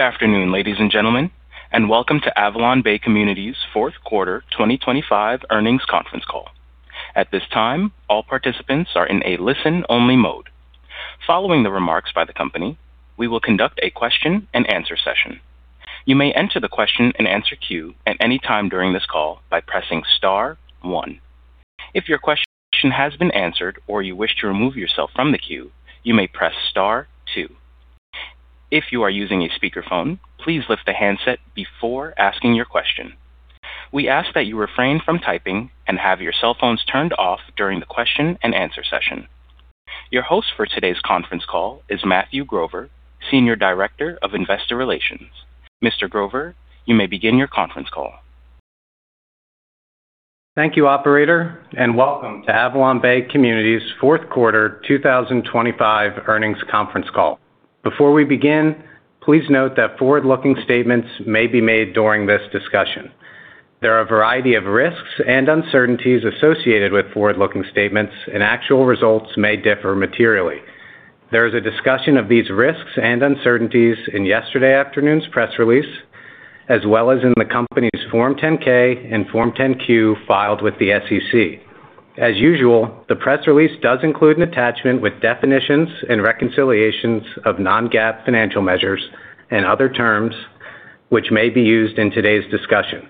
Good afternoon, ladies and gentlemen, and welcome to AvalonBay Communities' fourth quarter 2025 earnings conference call. At this time, all participants are in a listen-only mode. Following the remarks by the company, we will conduct a question-and-answer session. You may enter the question-and-answer queue at any time during this call by pressing star one. If your question has been answered or you wish to remove yourself from the queue, you may press star two. If you are using a speakerphone, please lift the handset before asking your question. We ask that you refrain from typing and have your cell phones turned off during the question-and-answer session. Your host for today's conference call is Matthew Grover, Senior Director of Investor Relations. Mr. Grover, you may begin your conference call. Thank you, operator, and welcome to AvalonBay Communities' fourth quarter 2025 earnings conference call. Before we begin, please note that forward-looking statements may be made during this discussion. There are a variety of risks and uncertainties associated with forward-looking statements, and actual results may differ materially. There is a discussion of these risks and uncertainties in yesterday afternoon's press release, as well as in the company's Form 10-K and Form 10-Q filed with the SEC. As usual, the press release does include an attachment with definitions and reconciliations of non-GAAP financial measures and other terms which may be used in today's discussion.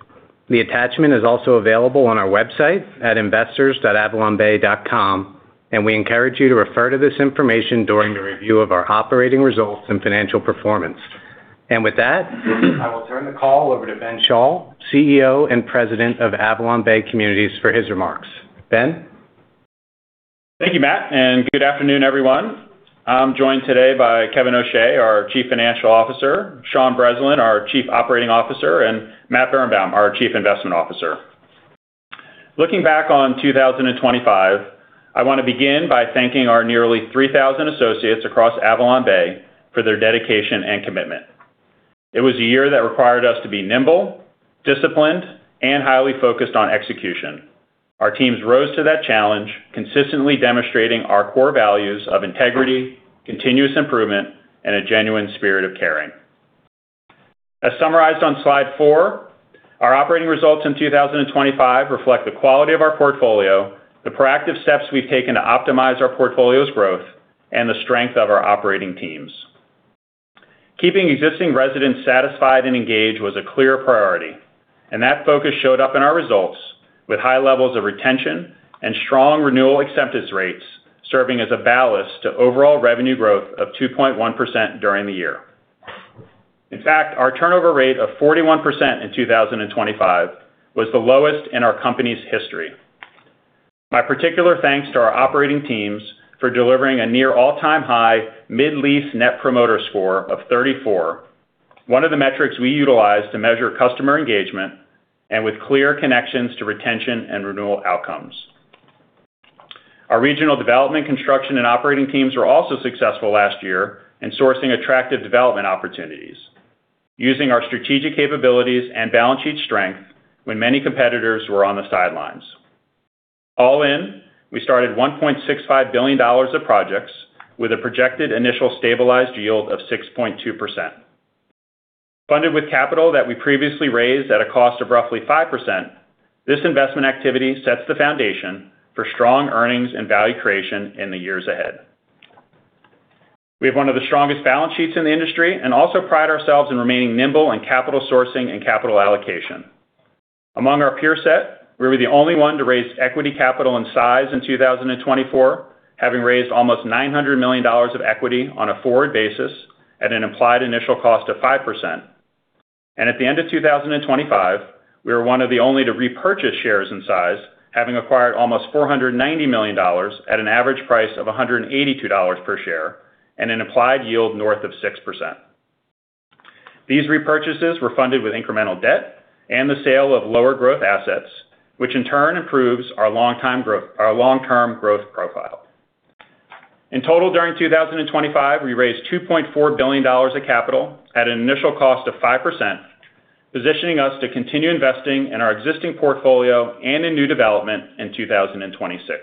The attachment is also available on our website at investors.avalonbay.com, and we encourage you to refer to this information during the review of our operating results and financial performance. With that, I will turn the call over to Ben Schall, CEO and President of AvalonBay Communities, for his remarks. Ben? Thank you, Matt, and good afternoon, everyone. I'm joined today by Kevin O'Shea, our Chief Financial Officer, Sean Breslin, our Chief Operating Officer, and Matt Birenbaum, our Chief Investment Officer. Looking back on 2025, I want to begin by thanking our nearly 3,000 associates across AvalonBay for their dedication and commitment. It was a year that required us to be nimble, disciplined, and highly focused on execution. Our teams rose to that challenge, consistently demonstrating our core values of integrity, continuous improvement, and a genuine spirit of caring. As summarized on slide four, our operating results in 2025 reflect the quality of our portfolio, the proactive steps we've taken to optimize our portfolio's growth, and the strength of our operating teams. Keeping existing residents satisfied and engaged was a clear priority, and that focus showed up in our results with high levels of retention and strong renewal acceptance rates, serving as a ballast to overall revenue growth of 2.1% during the year. In fact, our turnover rate of 41% in 2025 was the lowest in our company's history. My particular thanks to our operating teams for delivering a near all-time high mid-lease Net Promoter Score of 34, one of the metrics we utilize to measure customer engagement and with clear connections to retention and renewal outcomes. Our regional development, construction and operating teams were also successful last year in sourcing attractive development opportunities, using our strategic capabilities and balance sheet strength when many competitors were on the sidelines. All in, we started $1.65 billion of projects with a projected initial stabilized yield of 6.2%. Funded with capital that we previously raised at a cost of roughly 5%, this investment activity sets the foundation for strong earnings and value creation in the years ahead. We have one of the strongest balance sheets in the industry and also pride ourselves in remaining nimble in capital sourcing and capital allocation. Among our peer set, we were the only one to raise equity capital and size in 2024, having raised almost $900 million of equity on a forward basis at an implied initial cost of 5%. And at the end of 2025, we were one of the only to repurchase shares in size, having acquired almost $490 million at an average price of $182 per share and an implied yield north of 6%. These repurchases were funded with incremental debt and the sale of lower growth assets, which in turn improves our long-term growth profile. In total, during 2025, we raised $2.4 billion of capital at an initial cost of 5%, positioning us to continue investing in our existing portfolio and in new development in 2026.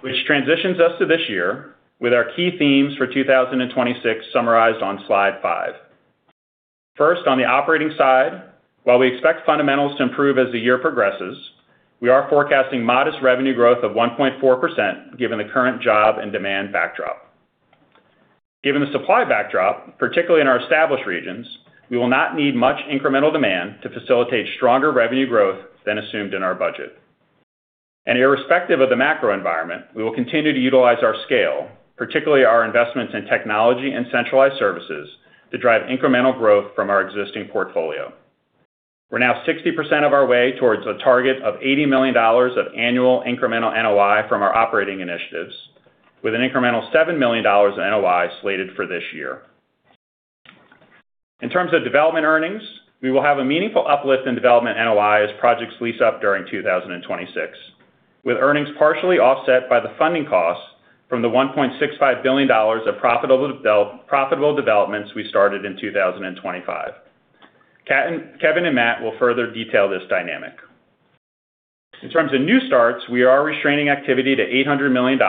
Which transitions us to this year with our key themes for 2026 summarized on slide five. First, on the operating side, while we expect fundamentals to improve as the year progresses, we are forecasting modest revenue growth of 1.4%, given the current job and demand backdrop. Given the supply backdrop, particularly in our established regions, we will not need much incremental demand to facilitate stronger revenue growth than assumed in our budget. Irrespective of the macro environment, we will continue to utilize our scale, particularly our investments in technology and centralized services, to drive incremental growth from our existing portfolio. We're now 60% of our way towards a target of $80 million of annual incremental NOI from our operating initiatives, with an incremental $7 million in NOI slated for this year. In terms of development earnings, we will have a meaningful uplift in development NOI as projects lease up during 2026, with earnings partially offset by the funding costs from the $1.65 billion of profitable developments we started in 2025. Kevin and Matt will further detail this dynamic. In terms of new starts, we are restraining activity to $800 million,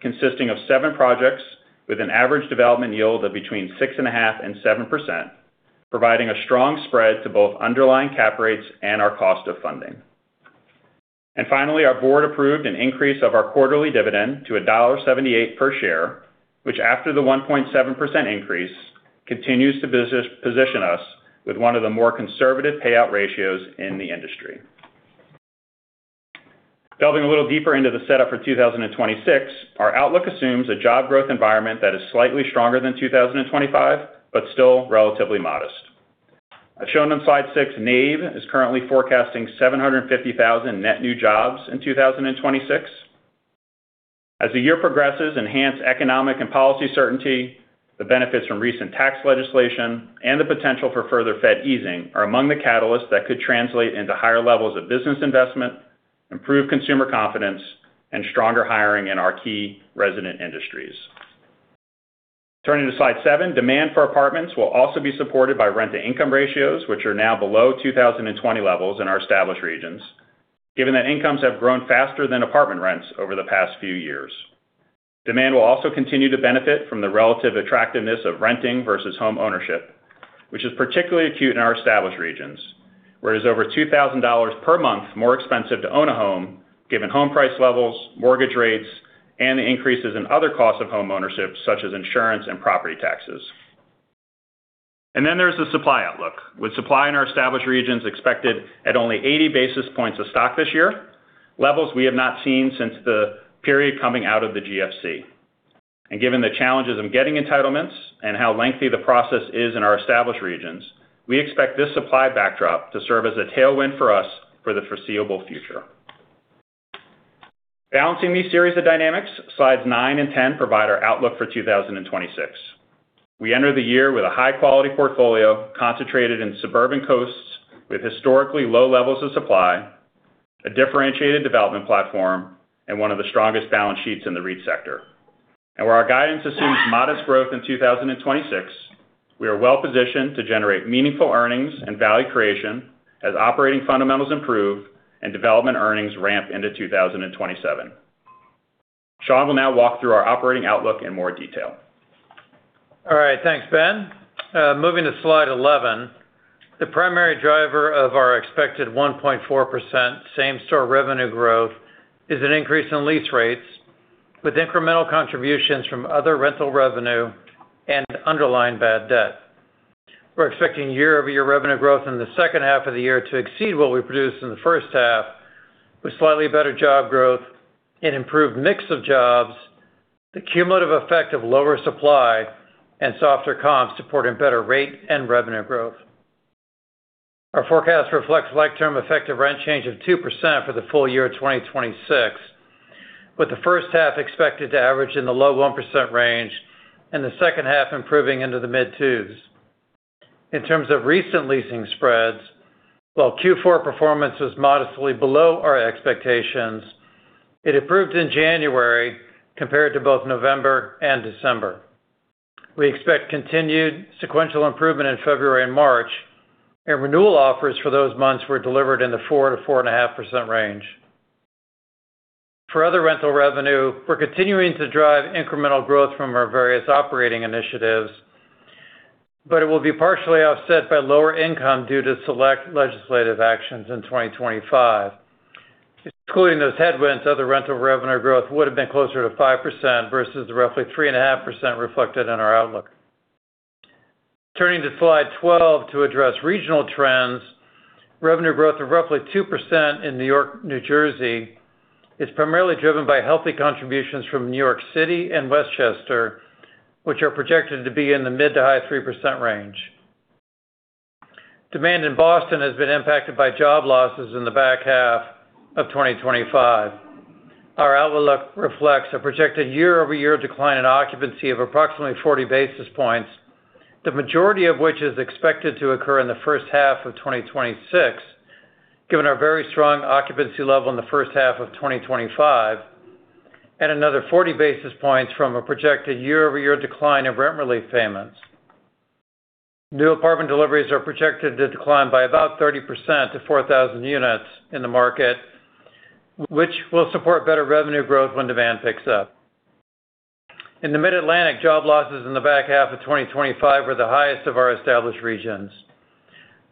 consisting of seven projects with an average development yield of between 6.5% and 7%, providing a strong spread to both underlying cap rates and our cost of funding. And finally, our board approved an increase of our quarterly dividend to $1.78 per share, which after the 1.7% increase, continues to position us with one of the more conservative payout ratios in the industry. Delving a little deeper into the setup for 2026, our outlook assumes a job growth environment that is slightly stronger than 2025, but still relatively modest. As shown on slide 6, NABE is currently forecasting 750,000 net new jobs in 2026. As the year progresses, enhanced economic and policy certainty, the benefits from recent tax legislation, and the potential for further Fed easing are among the catalysts that could translate into higher levels of business investment, improve consumer confidence, and stronger hiring in our key resident industries. Turning to slide seven, demand for apartments will also be supported by rent-to-income ratios, which are now below 2020 levels in our established regions, given that incomes have grown faster than apartment rents over the past few years. Demand will also continue to benefit from the relative attractiveness of renting versus homeownership, which is particularly acute in our established regions, where it's over $2,000 per month more expensive to own a home, given home price levels, mortgage rates, and the increases in other costs of homeownership, such as insurance and property taxes. And then there's the supply outlook, with supply in our established regions expected at only 80 basis points of stock this year, levels we have not seen since the period coming out of the GFC. And given the challenges of getting entitlements and how lengthy the process is in our established regions, we expect this supply backdrop to serve as a tailwind for us for the foreseeable future. Balancing these series of dynamics, slides nine and 10 provide our outlook for 2026. We enter the year with a high-quality portfolio concentrated in suburban coasts, with historically low levels of supply, a differentiated development platform, and one of the strongest balance sheets in the REIT sector. While our guidance assumes modest growth in 2026, we are well positioned to generate meaningful earnings and value creation as operating fundamentals improve and development earnings ramp into 2027. Sean will now walk through our operating outlook in more detail. All right, thanks, Ben. Moving to slide 11, the primary driver of our expected 1.4% same-store revenue growth is an increase in lease rates, with incremental contributions from other rental revenue and underlying bad debt. We're expecting year-over-year revenue growth in the second half of the year to exceed what we produced in the first half, with slightly better job growth and improved mix of jobs. The cumulative effect of lower supply and softer comps supporting better rate and revenue growth. Our forecast reflects like-term effective rent change of 2% for the full-year of 2026, with the first half expected to average in the low 1% range and the second half improving into the mid-2s. In terms of recent leasing spreads, while Q4 performance was modestly below our expectations, it improved in January compared to both November and December. We expect continued sequential improvement in February and March, and renewal offers for those months were delivered in the 4%-4.5% range. For other rental revenue, we're continuing to drive incremental growth from our various operating initiatives, but it will be partially offset by lower income due to select legislative actions in 2025. Including those headwinds, other rental revenue growth would have been closer to 5% versus the roughly 3.5% reflected in our outlook. Turning to slide 12 to address regional trends, revenue growth of roughly 2% in New York, New Jersey is primarily driven by healthy contributions from New York City and Westchester, which are projected to be in the mid- to high-3% range. Demand in Boston has been impacted by job losses in the back half of 2025. Our outlook reflects a projected year-over-year decline in occupancy of approximately 40 basis points, the majority of which is expected to occur in the first half of 2026, given our very strong occupancy level in the first half of 2025, and another 40 basis points from a projected year-over-year decline in rent relief payments. New apartment deliveries are projected to decline by about 30% to 4,000 units in the market, which will support better revenue growth when demand picks up. In the Mid-Atlantic, job losses in the back half of 2025 were the highest of our established regions.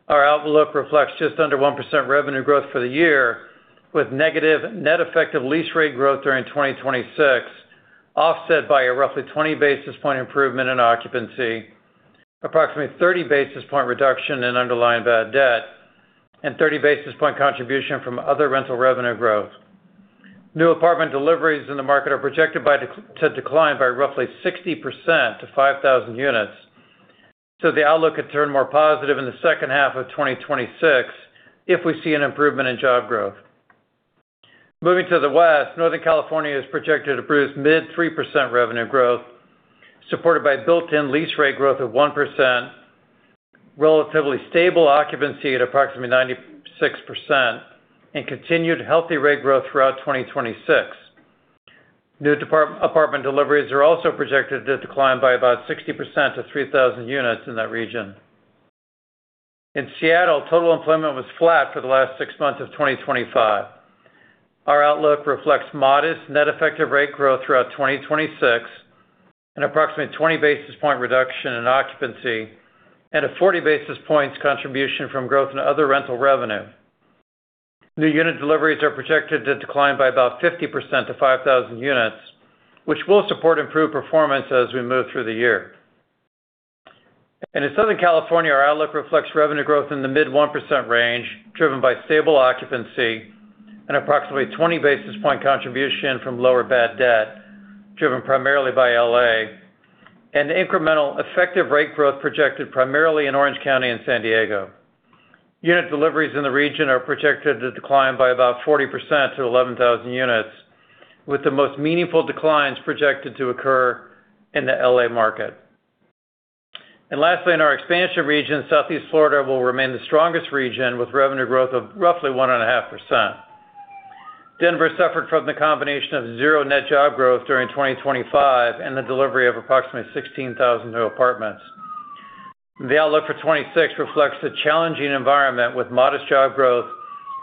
Our outlook reflects just under 1% revenue growth for the year, with negative net effect of lease rate growth during 2026, offset by a roughly 20 basis point improvement in occupancy, approximately 30 basis point reduction in underlying bad debt, and 30 basis point contribution from other rental revenue growth. New apartment deliveries in the market are projected to decline by roughly 60% to 5,000 units, so the outlook could turn more positive in the second half of 2026 if we see an improvement in job growth. Moving to the west, Northern California is projected to produce mid-3% revenue growth, supported by built-in lease rate growth of 1%, relatively stable occupancy at approximately 96%, and continued healthy rate growth throughout 2026. New apartment deliveries are also projected to decline by about 60% to 3,000 units in that region. In Seattle, total employment was flat for the last six months of 2025. Our outlook reflects modest net effective rate growth throughout 2026, an approximate 20 basis point reduction in occupancy, and a 40 basis points contribution from growth in other rental revenue. New unit deliveries are projected to decline by about 50% to 5,000 units, which will support improved performance as we move through the year. In Southern California, our outlook reflects revenue growth in the mid-1% range, driven by stable occupancy and approximately 20 basis point contribution from lower bad debt, driven primarily by LA, and the incremental effective rate growth projected primarily in Orange County and San Diego. Unit deliveries in the region are projected to decline by about 40% to 11,000 units, with the most meaningful declines projected to occur in the LA market. Lastly, in our expansion region, Southeast Florida will remain the strongest region, with revenue growth of roughly 1.5%. Denver suffered from the combination of zero net job growth during 2025 and the delivery of approximately 16,000 new apartments. The outlook for 2026 reflects a challenging environment, with modest job growth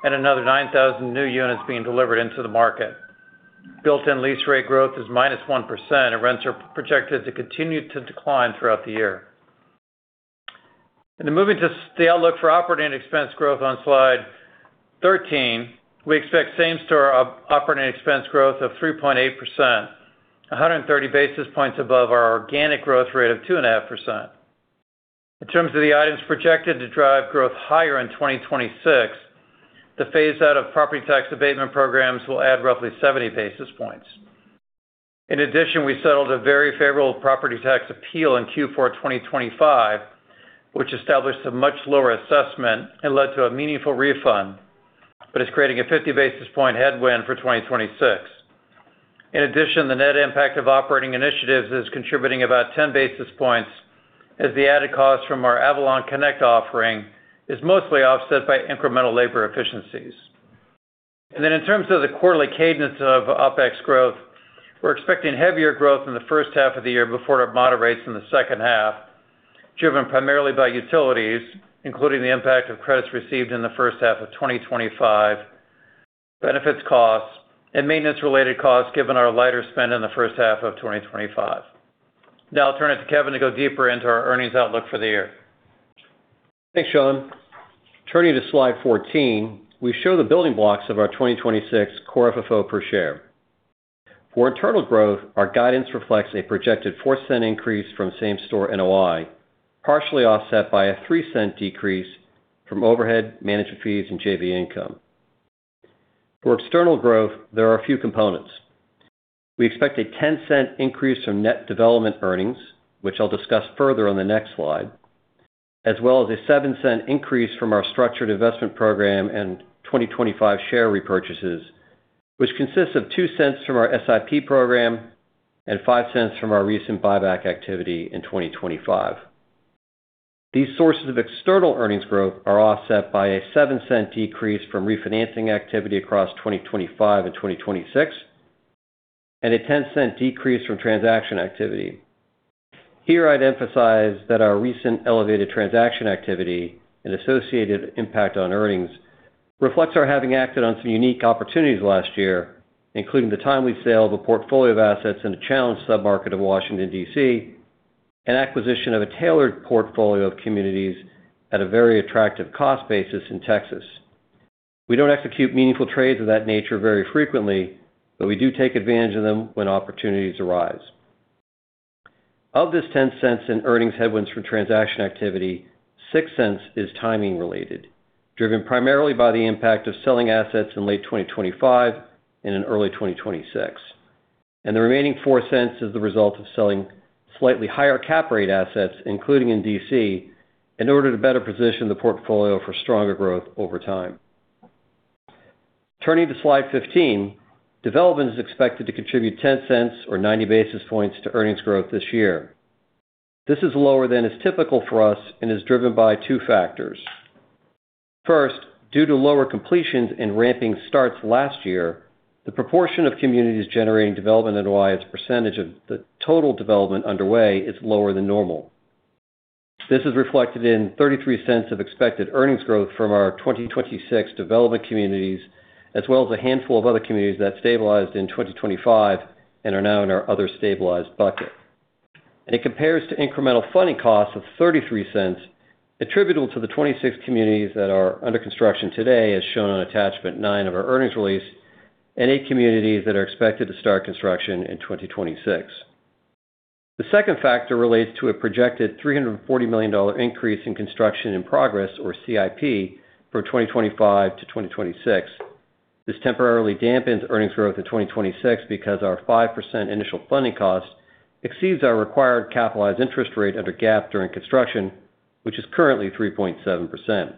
and another 9,000 new units being delivered into the market. Built-in lease rate growth is -1%, and rents are projected to continue to decline throughout the year. Moving to the outlook for operating expense growth on Slide 13, we expect same-store operating expense growth of 3.8%, 130 basis points above our organic growth rate of 2.5%. In terms of the items projected to drive growth higher in 2026, the phase-out of property tax abatement programs will add roughly 70 basis points. In addition, we settled a very favorable property tax appeal in Q4 2025, which established a much lower assessment and led to a meaningful refund, but is creating a 50 basis point headwind for 2026. In addition, the net impact of operating initiatives is contributing about 10 basis points, as the added cost from our Avalon Connect offering is mostly offset by incremental labor efficiencies. In terms of the quarterly cadence of OpEx growth, we're expecting heavier growth in the first half of the year before it moderates in the second half, driven primarily by utilities, including the impact of credits received in the first half of 2025, benefits costs, and maintenance-related costs, given our lighter spend in the first half of 2025. Now I'll turn it to Kevin to go deeper into our earnings outlook for the year. Thanks, Sean. Turning to Slide 14, we show the building blocks of our 2026 Core FFO per share. For internal growth, our guidance reflects a projected $0.04 increase from same-store NOI, partially offset by a $0.03 decrease from overhead management fees and JV income. For external growth, there are a few components. We expect a $0.10 increase from net development earnings, which I'll discuss further on the next slide, as well as a $0.07 increase from our Structured Investment Program and 2025 share repurchases, which consists of $0.02 from our SIP program and $0.05 from our recent buyback activity in 2025. These sources of external earnings growth are offset by a $0.07 decrease from refinancing activity across 2025 and 2026, and a $0.10 decrease from transaction activity. Here, I'd emphasize that our recent elevated transaction activity and associated impact on earnings reflects our having acted on some unique opportunities last year, including the timely sale of a portfolio of assets in a challenged submarket of Washington, D.C., and acquisition of a tailored portfolio of communities at a very attractive cost basis in Texas. We don't execute meaningful trades of that nature very frequently, but we do take advantage of them when opportunities arise. Of this $0.10 in earnings headwinds from transaction activity, $0.06 is timing related, driven primarily by the impact of selling assets in late 2025 and in early 2026, and the remaining $0.04 is the result of selling slightly higher cap rate assets, including in D.C., in order to better position the portfolio for stronger growth over time. Turning to Slide 15, development is expected to contribute $0.10 or 90 basis points to earnings growth this year. This is lower than is typical for us and is driven by two factors. First, due to lower completions and ramping starts last year, the proportion of communities generating development NOI as a percentage of the total development underway is lower than normal. This is reflected in $0.33 of expected earnings growth from our 2026 development communities, as well as a handful of other communities that stabilized in 2025 and are now in our other stabilized bucket. It compares to incremental funding costs of $0.33, attributable to the 26 communities that are under construction today, as shown on Attachment nine of our earnings release, and eight communities that are expected to start construction in 2026. The second factor relates to a projected $340 million increase in construction in progress, or CIP, from 2025 to 2026. This temporarily dampens earnings growth in 2026 because our 5% initial funding cost exceeds our required capitalized interest rate under GAAP during construction, which is currently 3.7%.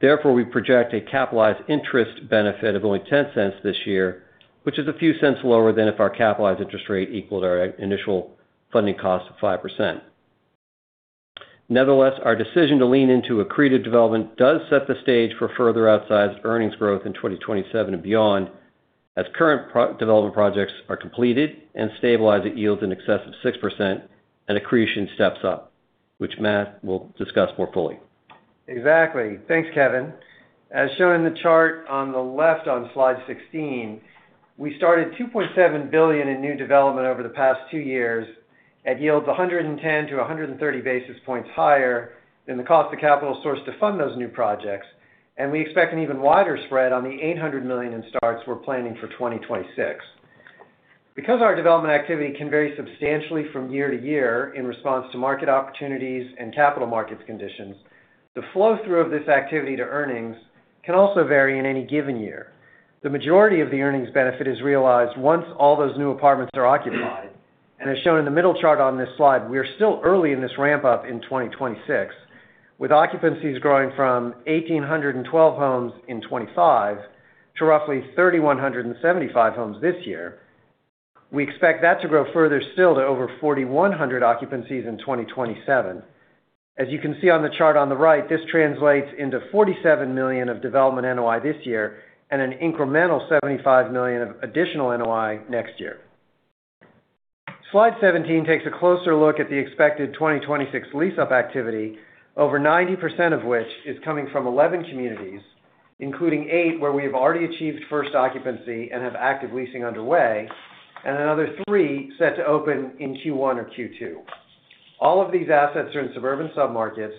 Therefore, we project a capitalized interest benefit of only $0.10 this year, which is a few cents lower than if our capitalized interest rate equaled our initial funding cost of 5%.... Nevertheless, our decision to lean into accreted development does set the stage for further outsized earnings growth in 2027 and beyond, as current pre-development projects are completed and stabilize at yields in excess of 6% and accretion steps up, which Matt will discuss more fully. Exactly. Thanks, Kevin. As shown in the chart on the left on slide 16, we started $2.7 billion in new development over the past two years at yields 110-130 basis points higher than the cost of capital source to fund those new projects, and we expect an even wider spread on the $800 million in starts we're planning for 2026. Because our development activity can vary substantially from year to year in response to market opportunities and capital markets conditions, the flow-through of this activity to earnings can also vary in any given year. The majority of the earnings benefit is realized once all those new apartments are occupied. As shown in the middle chart on this slide, we are still early in this ramp-up in 2026, with occupancies growing from 1,812 homes in 2025 to roughly 3,175 homes this year. We expect that to grow further still to over 4,100 occupancies in 2027. As you can see on the chart on the right, this translates into $47 million of development NOI this year and an incremental $75 million of additional NOI next year. Slide 17 takes a closer look at the expected 2026 lease-up activity, over 90% of which is coming from 11 communities, including eight, where we have already achieved first occupancy and have active leasing underway, and another three set to open in Q1 or Q2. All of these assets are in suburban submarkets,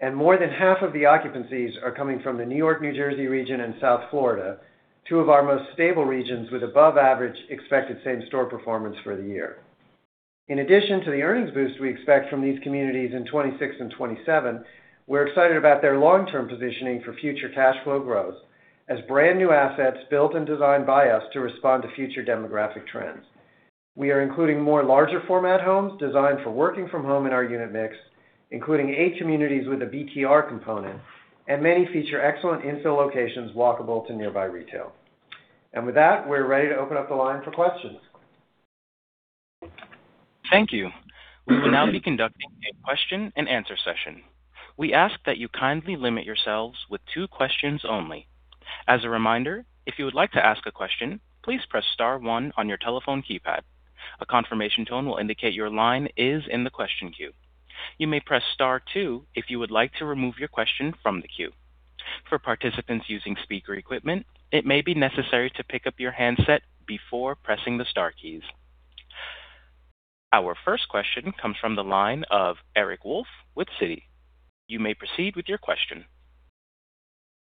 and more than half of the occupancies are coming from the New York, New Jersey region and South Florida, two of our most stable regions with above average expected same-store performance for the year. In addition to the earnings boost we expect from these communities in 2026 and 2027, we're excited about their long-term positioning for future cash flow growth, as brand new assets built and designed by us to respond to future demographic trends. We are including more larger format homes designed for working from home in our unit mix, including eight communities with a BTR component, and many feature excellent infill locations walkable to nearby retail. With that, we're ready to open up the line for questions. Thank you. We will now be conducting a question-and-answer session. We ask that you kindly limit yourselves with two questions only. As a reminder, if you would like to ask a question, please press star one on your telephone keypad. A confirmation tone will indicate your line is in the question queue. You may press star two if you would like to remove your question from the queue. For participants using speaker equipment, it may be necessary to pick up your handset before pressing the star keys. Our first question comes from the line of Eric Wolfe with Citi. You may proceed with your question.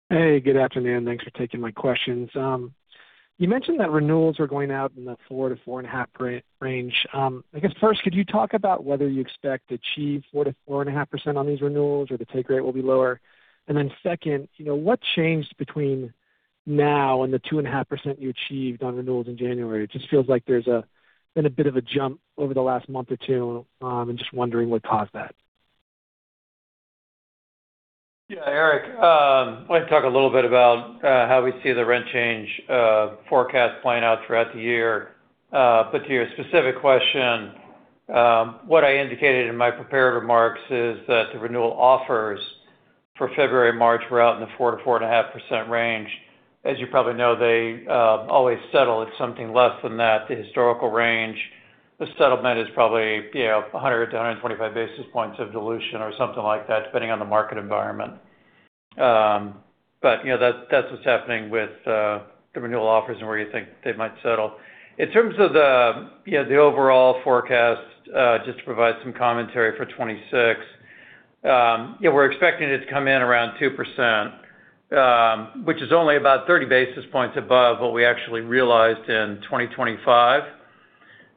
Hey, good afternoon. Thanks for taking my questions. You mentioned that renewals are going out in the 4%-4.5% range. I guess, first, could you talk about whether you expect to achieve 4%-4.5% on these renewals or the take rate will be lower? And then second, you know, what changed between now and the 2.5% you achieved on renewals in January? It just feels like there's been a bit of a jump over the last month or two. I'm just wondering what caused that. Yeah, Eric, let me talk a little bit about how we see the rent change forecast playing out throughout the year. But to your specific question, what I indicated in my prepared remarks is that the renewal offers for February, March were out in the 4%-4.5% range. As you probably know, they always settle at something less than that. The historical range, the settlement is probably, you know, 100-125 basis points of dilution or something like that, depending on the market environment. But, you know, that's what's happening with the renewal offers and where you think they might settle. In terms of the overall forecast, just to provide some commentary for 2026, we're expecting it to come in around 2%, which is only about 30 basis points above what we actually realized in 2025.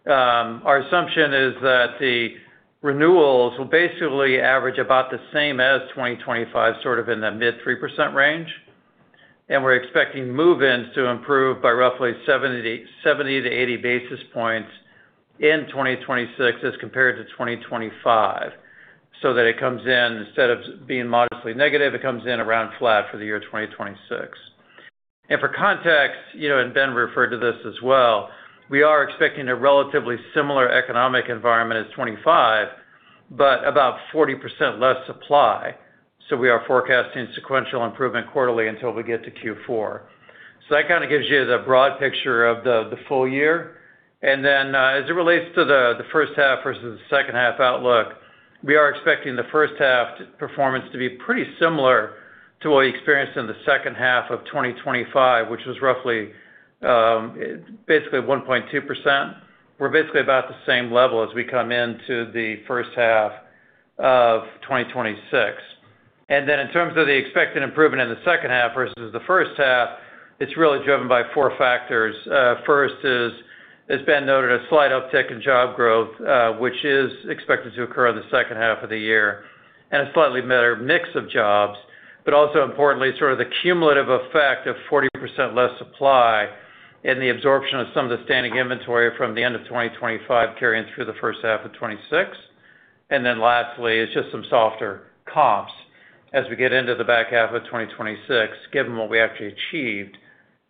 Our assumption is that the renewals will basically average about the same as 2025, sort of in the mid-3% range, and we're expecting move-ins to improve by roughly 70-80 basis points in 2026 as compared to 2025. So that it comes in, instead of being modestly negative, it comes in around flat for the year 2026. And for context, you know, and Ben referred to this as well, we are expecting a relatively similar economic environment as 2025, but about 40% less supply. So we are forecasting sequential improvement quarterly until we get to Q4. So that kind of gives you the broad picture of the full-year. And then, as it relates to the first half versus the second half outlook, we are expecting the first half performance to be pretty similar to what we experienced in the second half of 2025, which was roughly basically 1.2%. We're basically about the same level as we come into the first half of 2026. And then in terms of the expected improvement in the second half versus the first half, it's really driven by four factors. First is, as Ben noted, a slight uptick in job growth, which is expected to occur in the second half of the year, and a slightly better mix of jobs, but also importantly, sort of the cumulative effect of 40% less supply and the absorption of some of the standing inventory from the end of 2025 carrying through the first half of 2026. And then lastly, is just some softer comps as we get into the back half of 2026, given what we actually achieved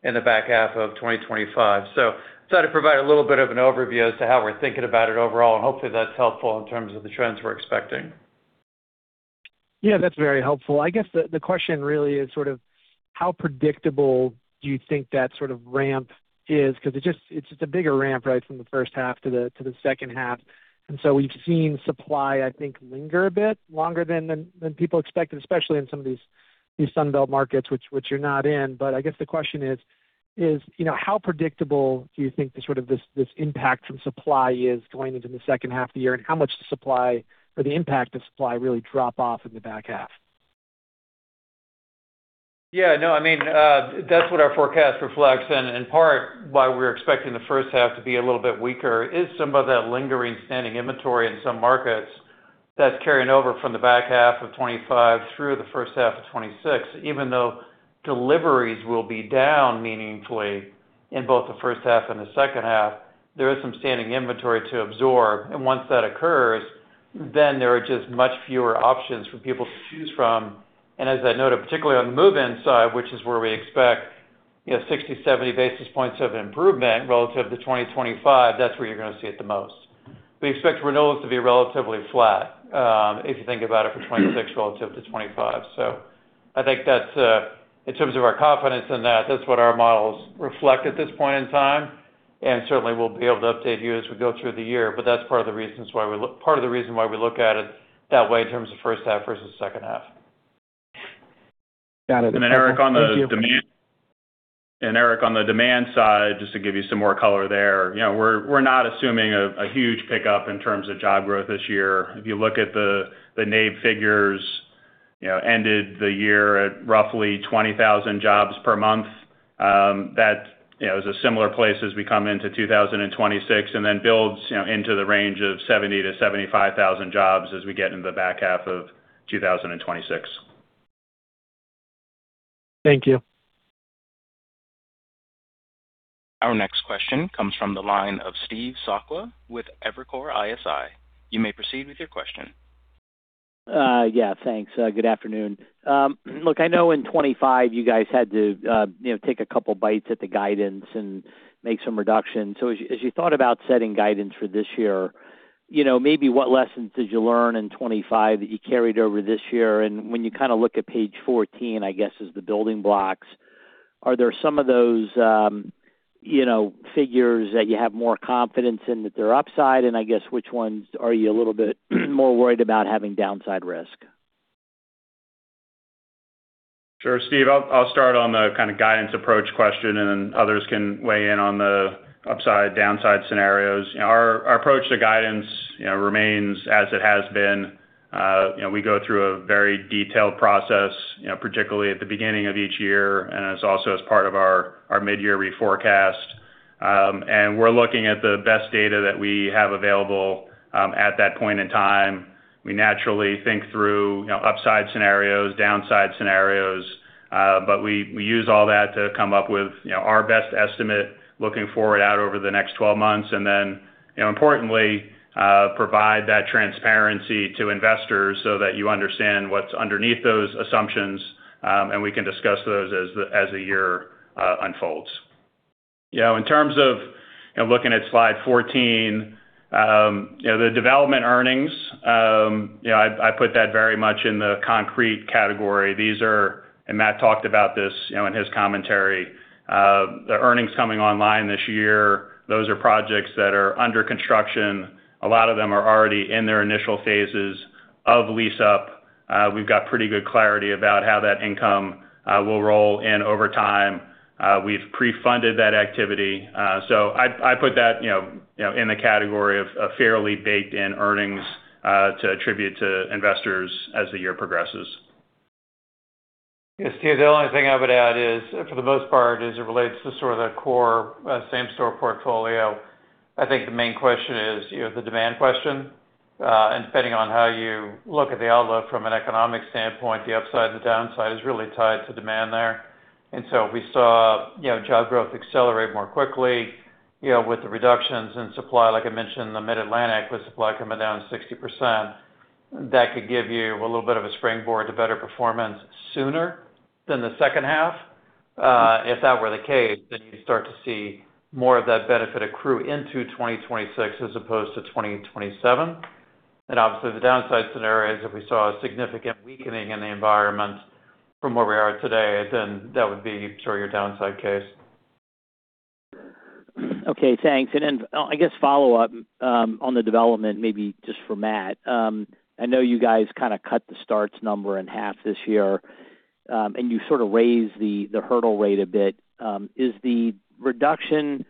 in the back half of 2025. So just thought I'd provide a little bit of an overview as to how we're thinking about it overall, and hopefully that's helpful in terms of the trends we're expecting. Yeah, that's very helpful. I guess the question really is sort of how predictable do you think that sort of ramp is? Because it just, it's just a bigger ramp, right, from the first half to the second half. And so we've seen supply, I think, linger a bit longer than people expected, especially in some of these Sun Belt markets, which you're not in. But I guess the question is, you know, how predictable do you think the sort of this impact from supply is going into the second half of the year? And how much the supply or the impact of supply really drop off in the back half? Yeah, no, I mean, that's what our forecast reflects. And in part, why we're expecting the first half to be a little bit weaker is some of that lingering standing inventory in some markets that's carrying over from the back half of 2025 through the first half of 2026. Even though deliveries will be down meaningfully in both the first half and the second half, there is some standing inventory to absorb. And once that occurs, then there are just much fewer options for people to choose from. And as I noted, particularly on the move-in side, which is where we expect, you know, 60-70 basis points of improvement relative to 2025, that's where you're gonna see it the most. We expect renewals to be relatively flat, if you think about it for 2026 relative to 2025. So I think that's, in terms of our confidence in that, that's what our models reflect at this point in time, and certainly we'll be able to update you as we go through the year. But that's part of the reason why we look at it that way in terms of first half versus second half. Got it. And then, Eric, on the demand side, just to give you some more color there, you know, we're, we're not assuming a, a huge pickup in terms of job growth this year. If you look at the NABE figures, you know, ended the year at roughly 20,000 jobs per month, that, you know, is a similar place as we come into 2026, and then builds, you know, into the range of 70,000-75,000 jobs as we get into the back half of 2026. Thank you. Our next question comes from the line of Steve Sakwa with Evercore ISI. You may proceed with your question. Yeah, thanks. Good afternoon. Look, I know in 2025, you guys had to, you know, take a couple bites at the guidance and make some reductions. So as you, as you thought about setting guidance for this year, you know, maybe what lessons did you learn in 2025 that you carried over this year? And when you kind of look at page 14, I guess, is the building blocks, are there some of those, you know, figures that you have more confidence in that they're upside, and I guess which ones are you a little bit more worried about having downside risk? Sure, Steve. I'll start on the kind of guidance approach question, and then others can weigh in on the upside, downside scenarios. You know, our approach to guidance, you know, remains as it has been. You know, we go through a very detailed process, you know, particularly at the beginning of each year, and it's also as part of our mid-year reforecast. And we're looking at the best data that we have available, at that point in time. We naturally think through, you know, upside scenarios, downside scenarios, but we use all that to come up with, you know, our best estimate looking forward out over the next 12 months. And then, you know, importantly, provide that transparency to investors so that you understand what's underneath those assumptions, and we can discuss those as the year unfolds. You know, in terms of, you know, looking at slide 14, you know, the development earnings, you know, I, I put that very much in the concrete category. These are... And Matt talked about this, you know, in his commentary. The earnings coming online this year, those are projects that are under construction. A lot of them are already in their initial phases of lease-up. We've got pretty good clarity about how that income will roll in over time. We've pre-funded that activity. So I, I put that, you know, you know, in the category of a fairly baked-in earnings to attribute to investors as the year progresses. Yeah, Steve, the only thing I would add is, for the most part, as it relates to sort of the core, same store portfolio, I think the main question is, you know, the demand question. And depending on how you look at the outlook from an economic standpoint, the upside and the downside is really tied to demand there. And so if we saw, you know, job growth accelerate more quickly, you know, with the reductions in supply, like I mentioned, in the Mid-Atlantic, with supply coming down 60%, that could give you a little bit of a springboard to better performance sooner than the second half. If that were the case, then you start to see more of that benefit accrue into 2026 as opposed to 2027. Obviously, the downside scenario is if we saw a significant weakening in the environment from where we are today, then that would be sort of your downside case. Okay, thanks. And then, I guess follow-up, on the development, maybe just for Matt. I know you guys kind of cut the starts number in half this year, and you sort of raised the hurdle rate a bit. Is the reduction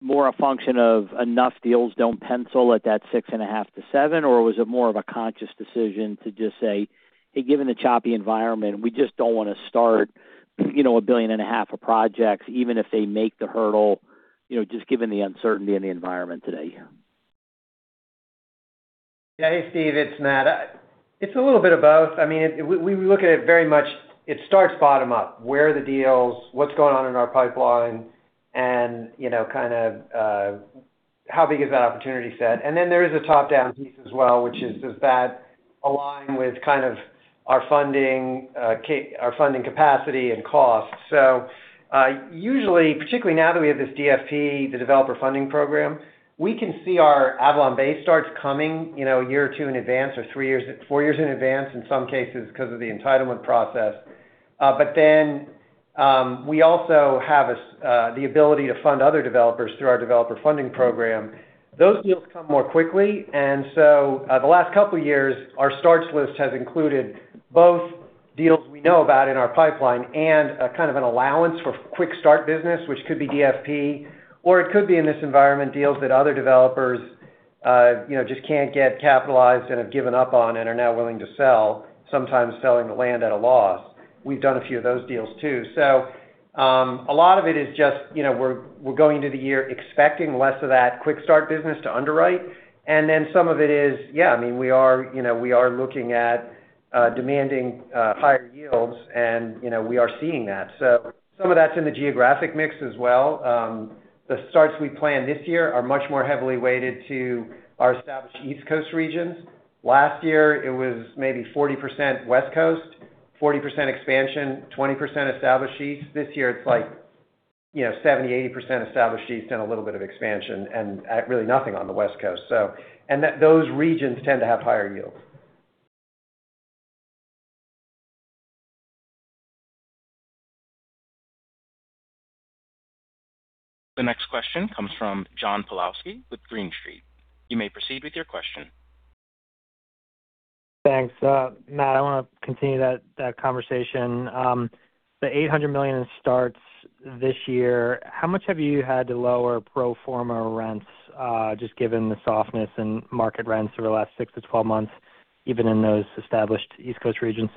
more a function of enough deals don't pencil at that 6.5-7, or was it more of a conscious decision to just say, "Hey, given the choppy environment, we just don't wanna start, you know, $1.5 billion of projects, even if they make the hurdle, you know, just given the uncertainty in the environment today here? Yeah. Hey, Steve, it's Matt. It's a little bit of both. I mean, we look at it very much. It starts bottom-up. Where are the deals? What's going on in our pipeline?... and, you know, kind of, how big is that opportunity set? And then there is a top-down piece as well, which is, does that align with kind of our funding capacity and cost? So, usually, particularly now that we have this DFP, the Developer Funding Program, we can see our AvalonBay starts coming, you know, a year or two in advance or three years, four years in advance, in some cases because of the entitlement process. But then, we also have the ability to fund other developers through our developer funding program. Those deals come more quickly, and so, the last couple of years, our starts list has included both deals we know about in our pipeline and a kind of an allowance for quick start business, which could be DFP, or it could be in this environment, deals that other developers, you know, just can't get capitalized and have given up on and are now willing to sell, sometimes selling the land at a loss. We've done a few of those deals, too. So, a lot of it is just, you know, we're, we're going into the year expecting less of that quick start business to underwrite. And then some of it is, yeah, I mean, we are, you know, we are looking at, demanding, higher yields, and, you know, we are seeing that. So some of that's in the geographic mix as well. The starts we planned this year are much more heavily weighted to our established East Coast regions. Last year, it was maybe 40% West Coast, 40% expansion, 20% established East. This year, it's like, you know, 70%-80% established East and a little bit of expansion, and, really nothing on the West Coast, so. And that those regions tend to have higher yields. The next question comes from John Pawlowski with Green Street. You may proceed with your question. Thanks. Matt, I want to continue that, that conversation. The $800 million in starts this year, how much have you had to lower pro forma rents, just given the softness in market rents over the last 6-12 months, even in those established East Coast regions?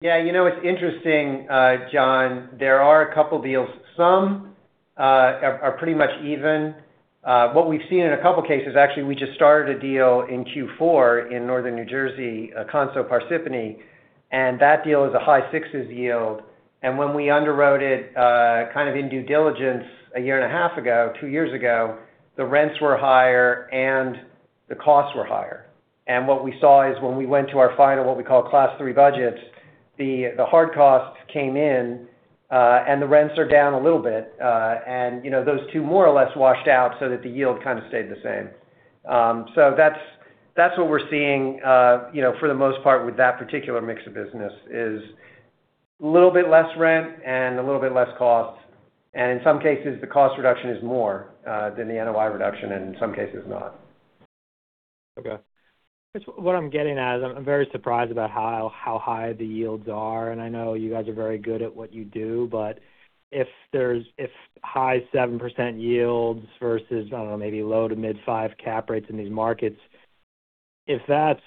Yeah, you know, it's interesting, John. There are a couple deals. Some are pretty much even. What we've seen in a couple of cases, actually, we just started a deal in Q4 in Northern New Jersey, Connell Parsippany, and that deal is a high sixes yield. And when we underwrote it, kind of in due diligence a year and a half ago, two years ago, the rents were higher and the costs were higher. And what we saw is when we went to our final, what we call Class 3 budgets, the hard costs came in, and the rents are down a little bit, and, you know, those two more or less washed out so that the yield kind of stayed the same. That's, that's what we're seeing, you know, for the most part with that particular mix of business, is a little bit less rent and a little bit less costs. In some cases, the cost reduction is more than the NOI reduction, and in some cases not. Okay. Guess what I'm getting at is I'm very surprised about how high the yields are, and I know you guys are very good at what you do, but if there's—if high 7% yields versus, I don't know, maybe low-to-mid 5 cap rates in these markets, if that's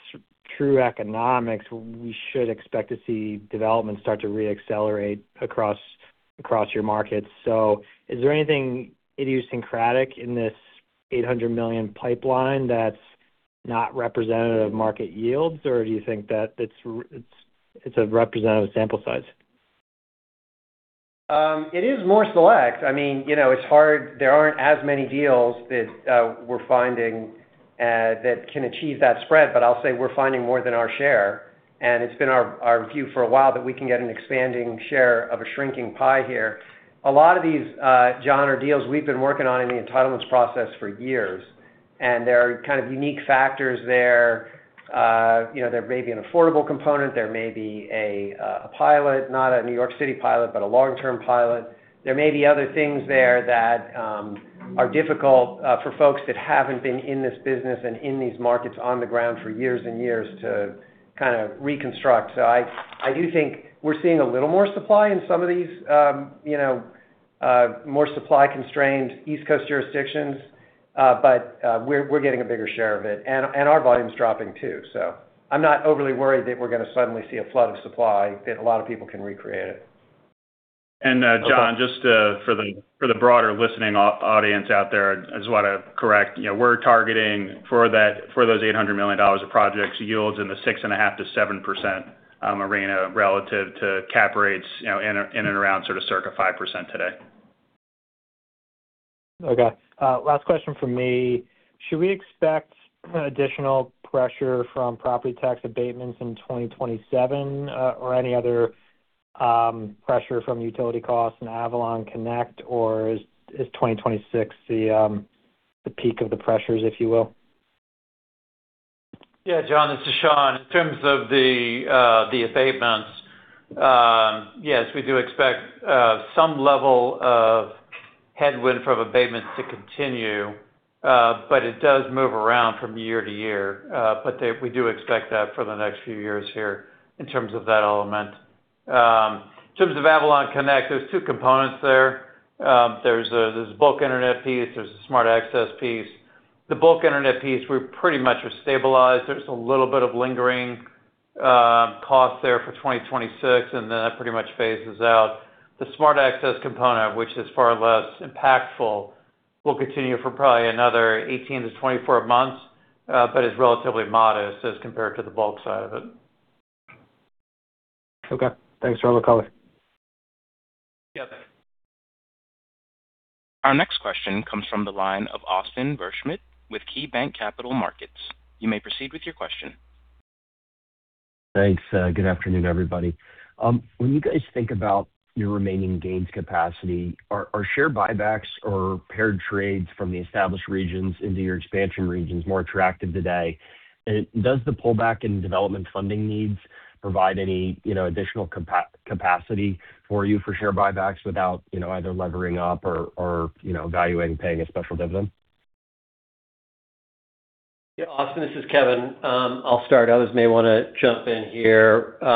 true economics, we should expect to see development start to reaccelerate across your markets. So is there anything idiosyncratic in this $800 million pipeline that's not representative of market yields, or do you think that it's a representative sample size? It is more select. I mean, you know, it's hard. There aren't as many deals that we're finding that can achieve that spread, but I'll say we're finding more than our share, and it's been our view for a while that we can get an expanding share of a shrinking pie here. A lot of these, John, are deals we've been working on in the entitlements process for years, and there are kind of unique factors there. You know, there may be an affordable component, there may be a pilot, not a New York City pilot, but a long-term pilot. There may be other things there that are difficult for folks that haven't been in this business and in these markets on the ground for years and years to kind of reconstruct. So I do think we're seeing a little more supply in some of these, you know, more supply-constrained East Coast jurisdictions, but we're getting a bigger share of it, and our volume is dropping, too. So I'm not overly worried that we're going to suddenly see a flood of supply, that a lot of people can recreate it. John, just for the broader listening audience out there, I just want to correct. You know, we're targeting for that—for those $800 million of projects, yields in the 6.5%-7% arena relative to cap rates, you know, in and around sort of circa 5% today. Okay. Last question from me. Should we expect additional pressure from property tax abatements in 2027, or any other pressure from utility costs and Avalon Connect, or is 2026 the peak of the pressures, if you will? Yeah, John, this is Sean. In terms of the abatements, yes, we do expect some level of headwind from abatements to continue, but it does move around from year to year. But we do expect that for the next few years here in terms of that element. In terms of Avalon Connect, there's two components there. There's a bulk internet piece, there's a smart access piece. The bulk internet piece, we're pretty much are stabilized. There's a little bit of lingering cost there for 2026, and then that pretty much phases out. The smart access component, which is far less impactful, will continue for probably another 18-24 months, but is relatively modest as compared to the bulk side of it. Okay. Thanks for all the color. Our next question comes from the line of Austin Wurschmidt with KeyBanc Capital Markets. You may proceed with your question. Thanks. Good afternoon, everybody. When you guys think about your remaining gains capacity, are share buybacks or paired trades from the established regions into your expansion regions more attractive today? And does the pullback in development funding needs provide any, you know, additional capacity for you for share buybacks without, you know, either levering up or, you know, evaluating paying a special dividend? Yeah, Austin, this is Kevin. I'll start. Others may want to jump in here. You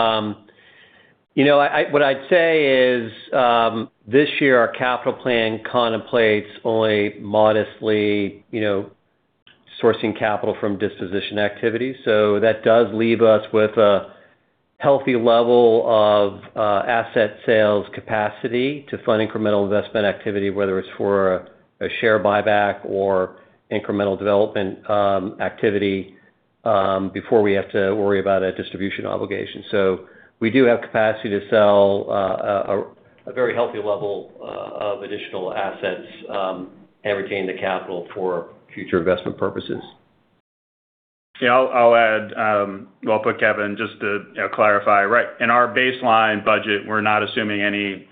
know, what I'd say is, this year, our capital plan contemplates only modestly, you know, sourcing capital from disposition activities. So that does leave us with a healthy level of asset sales capacity to fund incremental investment activity, whether it's for a share buyback or incremental development activity, before we have to worry about a distribution obligation. So we do have capacity to sell a very healthy level of additional assets and retain the capital for future investment purposes. Yeah, I'll add, well put, Kevin, just to clarify. Right. In our baseline budget, we're not assuming any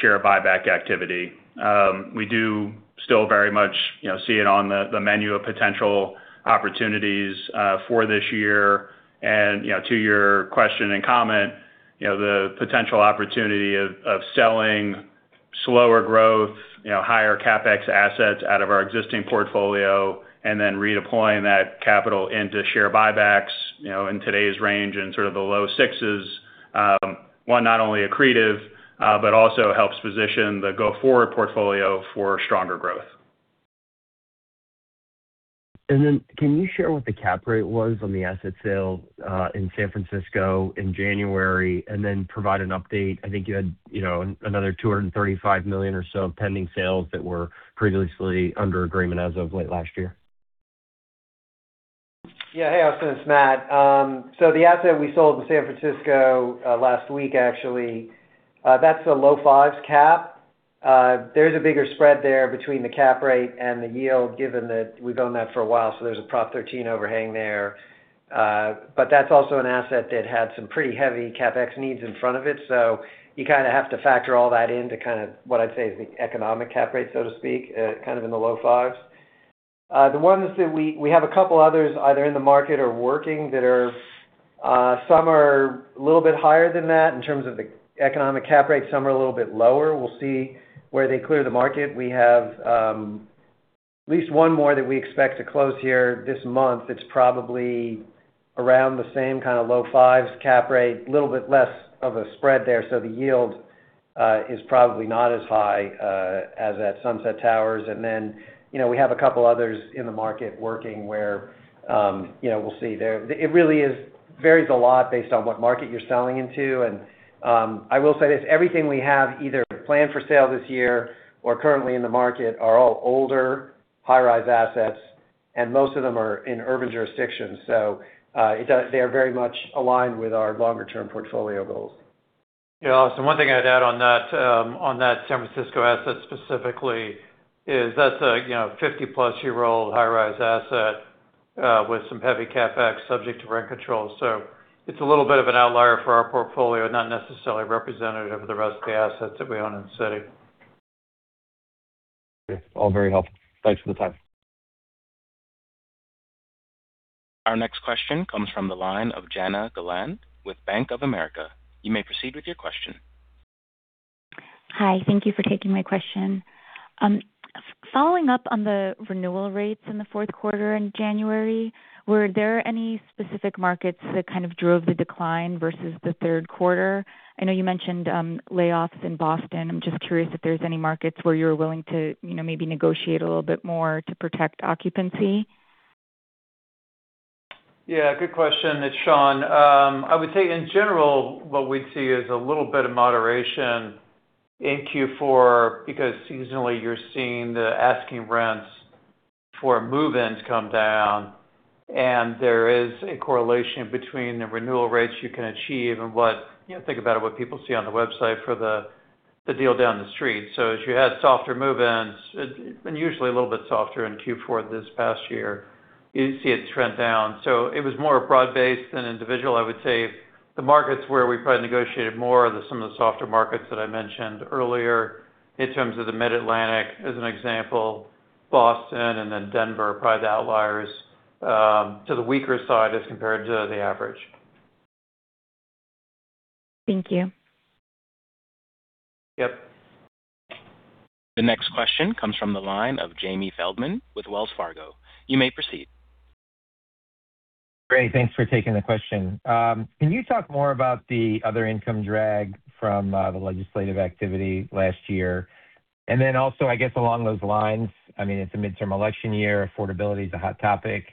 share buyback activity. We do still very much, you know, see it on the menu of potential opportunities for this year. And, you know, to your question and comment, you know, the potential opportunity of selling slower growth, you know, higher CapEx assets out of our existing portfolio and then redeploying that capital into share buybacks, you know, in today's range and sort of the low sixes, one, not only accretive, but also helps position the go-forward portfolio for stronger growth. Can you share what the cap rate was on the asset sale in San Francisco in January, and then provide an update? I think you had, you know, another $235 million or so of pending sales that were previously under agreement as of late last year. Yeah. Hey, Austin, it's Matt. So the asset we sold in San Francisco last week, actually, that's a low fives cap. There's a bigger spread there between the cap rate and the yield, given that we've owned that for a while, so there's a Prop 13 overhang there. But that's also an asset that had some pretty heavy CapEx needs in front of it. So you kind of have to factor all that in to kind of what I'd say is the economic cap rate, so to speak, kind of in the low fives. The ones that we have a couple others, either in the market or working, that are, some are a little bit higher than that in terms of the economic cap rate, some are a little bit lower. We'll see where they clear the market. We have at least one more that we expect to close here this month. It's probably around the same kind of low fives cap rate, a little bit less of a spread there, so the yield is probably not as high as at Sunset Towers. And then, you know, we have a couple others in the market working where, you know, we'll see there. It really varies a lot based on what market you're selling into. And I will say this, everything we have either planned for sale this year or currently in the market are all older, high-rise assets, and most of them are in urban jurisdictions. So, they are very much aligned with our longer-term portfolio goals. Yeah, Austin, one thing I'd add on that, on that San Francisco asset specifically is that's a, you know, 50+-year-old high-rise asset, with some heavy CapEx subject to rent control. So it's a little bit of an outlier for our portfolio, not necessarily representative of the rest of the assets that we own in the city. All very helpful. Thanks for the time. Our next question comes from the line of Jana Galan with Bank of America. You may proceed with your question. Hi, thank you for taking my question. Following up on the renewal rates in the fourth quarter in January, were there any specific markets that kind of drove the decline versus the third quarter? I know you mentioned layoffs in Boston. I'm just curious if there's any markets where you're willing to, you know, maybe negotiate a little bit more to protect occupancy. Yeah, good question. It's Sean. I would say, in general, what we see is a little bit of moderation in Q4, because seasonally, you're seeing the asking rents for move-ins come down, and there is a correlation between the renewal rates you can achieve and what—you know, think about it, what people see on the website for the, the deal down the street. So as you had softer move-ins, and usually a little bit softer in Q4 this past year, you see it trend down. So it was more broad-based than individual. I would say the markets where we probably negotiated more are some of the softer markets that I mentioned earlier, in terms of the Mid-Atlantic, as an example, Boston and then Denver, probably the outliers, to the weaker side as compared to the average. Thank you. Yep. The next question comes from the line of Jamie Feldman with Wells Fargo. You may proceed. Great. Thanks for taking the question. Can you talk more about the other income drag from the legislative activity last year? And then also, I guess, along those lines, I mean, it's a midterm election year, affordability is a hot topic.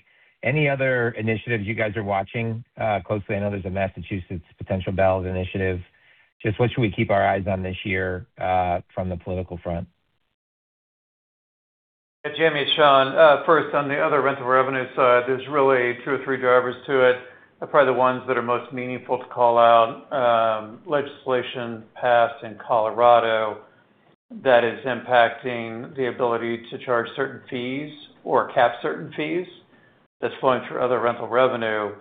Any other initiatives you guys are watching closely? I know there's a Massachusetts potential ballot initiative. Just what should we keep our eyes on this year from the political front? Yeah, Jamie, it's Sean. First, on the other rental revenue side, there's really two or three drivers to it. Probably the ones that are most meaningful to call out, legislation passed in Colorado that is impacting the ability to charge certain fees or cap certain fees, that's flowing through other rental revenue.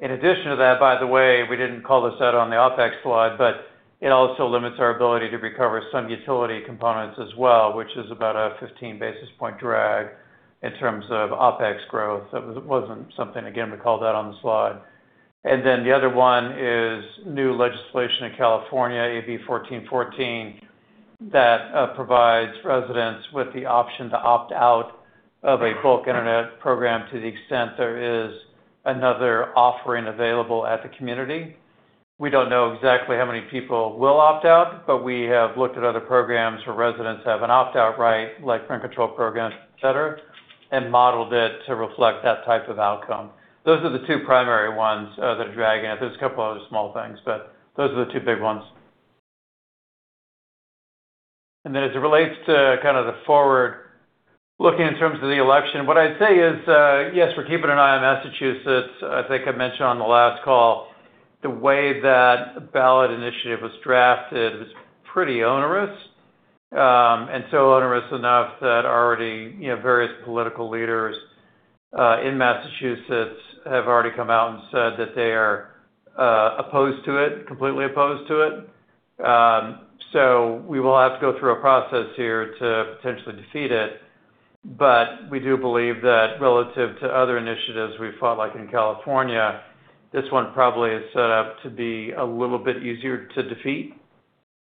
In addition to that, by the way, we didn't call this out on the OpEx slide, but it also limits our ability to recover some utility components as well, which is about a 15 basis point drag in terms of OpEx growth. That wasn't something, again, we called out on the slide. And then the other one is new legislation in California, AB 1414, that provides residents with the option to opt out of a bulk internet program to the extent there is another offering available at the community. We don't know exactly how many people will opt out, but we have looked at other programs where residents have an opt out right, like rent control programs, et cetera, and modeled it to reflect that type of outcome. Those are the two primary ones that are dragging it. There's a couple other small things, but those are the two big ones. And then as it relates to kind of the forward looking in terms of the election, what I'd say is, yes, we're keeping an eye on Massachusetts. I think I mentioned on the last call, the way that ballot initiative was drafted was pretty onerous. And so onerous enough that already, you know, various political leaders in Massachusetts have already come out and said that they are opposed to it, completely opposed to it. So we will have to go through a process here to potentially defeat it. But we do believe that relative to other initiatives we've fought, like in California, this one probably is set up to be a little bit easier to defeat.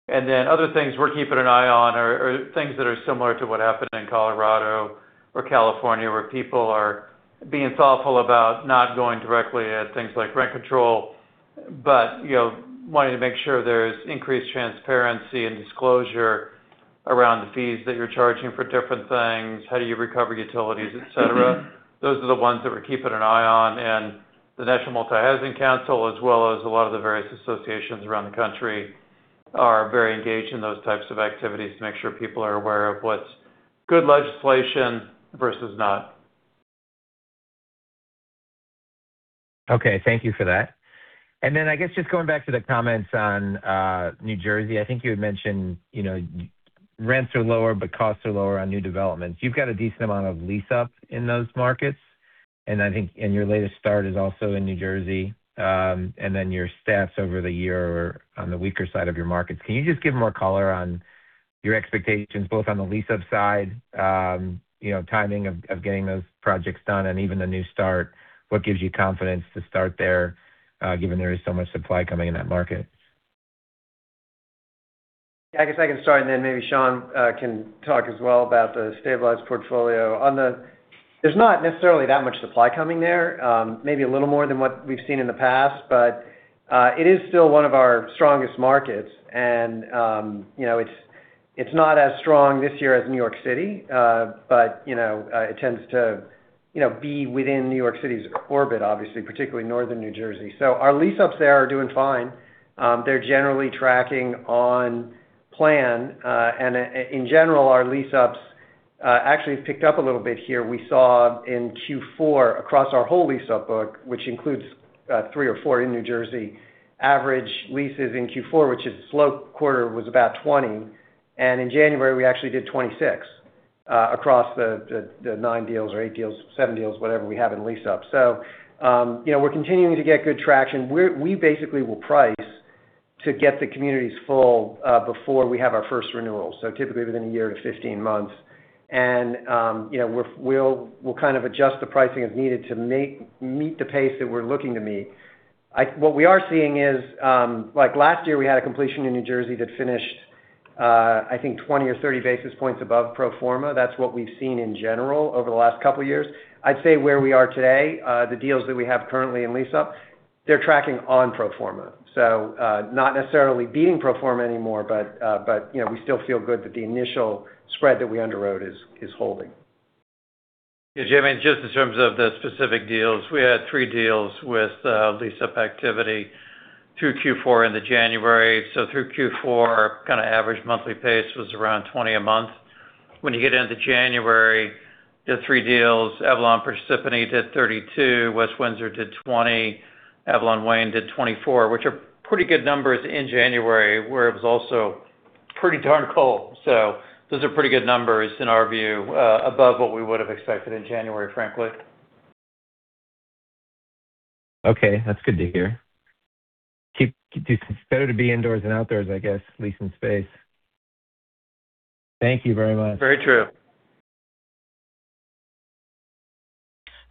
And then other things we're keeping an eye on are things that are similar to what happened in Colorado or California, where people are being thoughtful about not going directly at things like rent control, but, you know, wanting to make sure there's increased transparency and disclosure around the fees that you're charging for different things, how do you recover utilities, et cetera. Those are the ones that we're keeping an eye on. The National Multi Housing Council, as well as a lot of the various associations around the country, are very engaged in those types of activities to make sure people are aware of what's good legislation versus not. Okay, thank you for that. And then I guess just going back to the comments on New Jersey, I think you had mentioned, you know, rents are lower, but costs are lower on new developments. You've got a decent amount of lease-up in those markets, and I think, and your latest start is also in New Jersey, and then your stats over the year are on the weaker side of your markets. Can you just give more color on your expectations, both on the lease-up side, you know, timing of getting those projects done and even the new start? What gives you confidence to start there, given there is so much supply coming in that market? I guess I can start, and then maybe Sean can talk as well about the stabilized portfolio. On the... There's not necessarily that much supply coming there, maybe a little more than what we've seen in the past, but it is still one of our strongest markets. And you know, it's not as strong this year as New York City, but you know, it tends to you know, be within New York City's orbit, obviously, particularly northern New Jersey. So our lease-ups there are doing fine. They're generally tracking on plan, and in general, our lease-ups actually have picked up a little bit here. We saw in Q4, across our whole lease-up book, which includes three or four in New Jersey, average leases in Q4, which is a slow quarter, was about 20, and in January, we actually did 26 across the nine deals or eight deals, seven deals, whatever we have in lease-up. So, you know, we're continuing to get good traction. We basically will price to get the communities full before we have our first renewal, so typically within a year to 15 months. And, you know, we'll kind of adjust the pricing as needed to meet the pace that we're looking to meet. What we are seeing is, like last year, we had a completion in New Jersey that finished, I think 20 or 30 basis points above pro forma. That's what we've seen in general over the last couple of years. I'd say where we are today, the deals that we have currently in lease-up, they're tracking on pro forma. So, not necessarily beating pro forma anymore, but, you know, we still feel good that the initial spread that we underwrote is holding. Yeah, Jamie, just in terms of the specific deals, we had three deals with lease-up activity through Q4 into January. So through Q4, kind of average monthly pace was around 20 a month. When you get into January, the three deals, Avalon Parsippany did 32, West Windsor did 20, Avalon Wayne did 24, which are pretty good numbers in January, where it was also pretty darn cold. So those are pretty good numbers in our view, above what we would have expected in January, frankly. Okay, that's good to hear. It's better to be indoors than outdoors, I guess, leasing space. Thank you very much. Very true.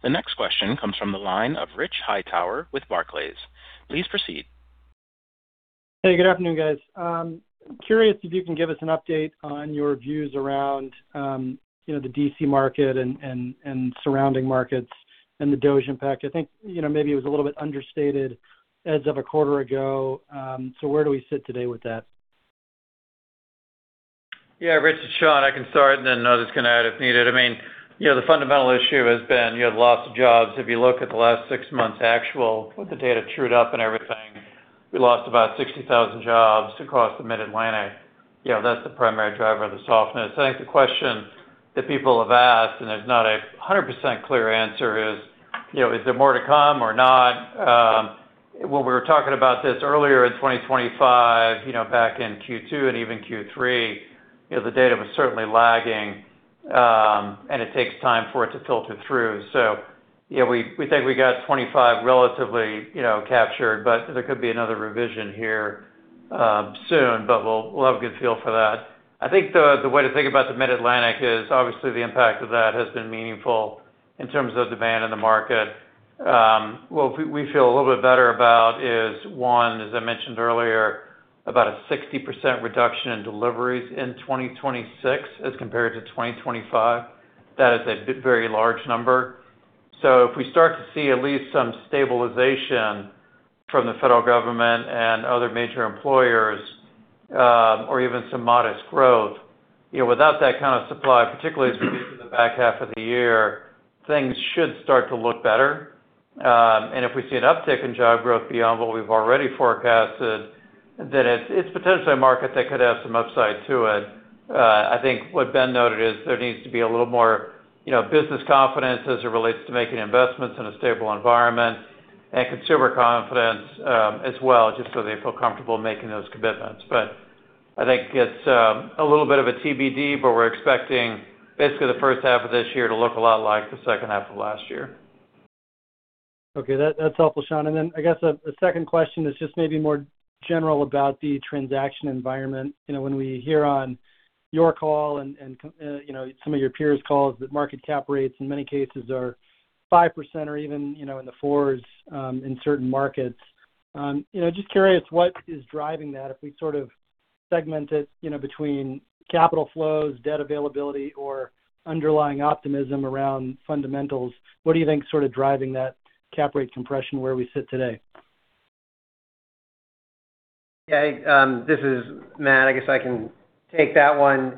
The next question comes from the line of Rich Hightower with Barclays. Please proceed. Hey, good afternoon, guys. Curious if you can give us an update on your views around, you know, the D.C. market and surrounding markets and the D.O.G.E. impact. I think, you know, maybe it was a little bit understated as of a quarter ago. So where do we sit today with that? Yeah, Rich, it's Sean. I can start and then others can add if needed. I mean, you know, the fundamental issue has been you had lots of jobs. If you look at the last six months, actual, with the data trued up and everything, we lost about 60,000 jobs across the Mid-Atlantic. You know, that's the primary driver of the softness. I think the question that people have asked, and there's not a 100% clear answer, is, you know, is there more to come or not? When we were talking about this earlier in 2025, you know, back in Q2 and even Q3, you know, the data was certainly lagging, and it takes time for it to filter through. So, you know, we think we got 25 relatively, you know, captured, but there could be another revision here soon, but we'll have a good feel for that. I think the way to think about the Mid-Atlantic is, obviously, the impact of that has been meaningful in terms of demand in the market. What we feel a little bit better about is, one, as I mentioned earlier, about a 60% reduction in deliveries in 2026 as compared to 2025. That is a very large number. So if we start to see at least some stabilization from the federal government and other major employers, or even some modest growth, you know, without that kind of supply, particularly as we get to the back half of the year, things should start to look better. And if we see an uptick in job growth beyond what we've already forecasted, then it's potentially a market that could have some upside to it. I think what Ben noted is there needs to be a little more, you know, business confidence as it relates to making investments in a stable environment and consumer confidence, as well, just so they feel comfortable making those commitments. But I think it's a little bit of a TBD, but we're expecting basically the first half of this year to look a lot like the second half of last year. Okay, that's helpful, Sean. And then I guess a second question is just maybe more general about the transaction environment. You know, when we hear on your call and you know, some of your peers' calls, that market cap rates, in many cases, are 5% or even, you know, in the 4s, in certain markets. You know, just curious, what is driving that? If we sort of segment it, you know, between capital flows, debt availability, or underlying optimism around fundamentals, what do you think is sort of driving that cap rate compression where we sit today? Yeah, this is Matt. I guess I can take that one.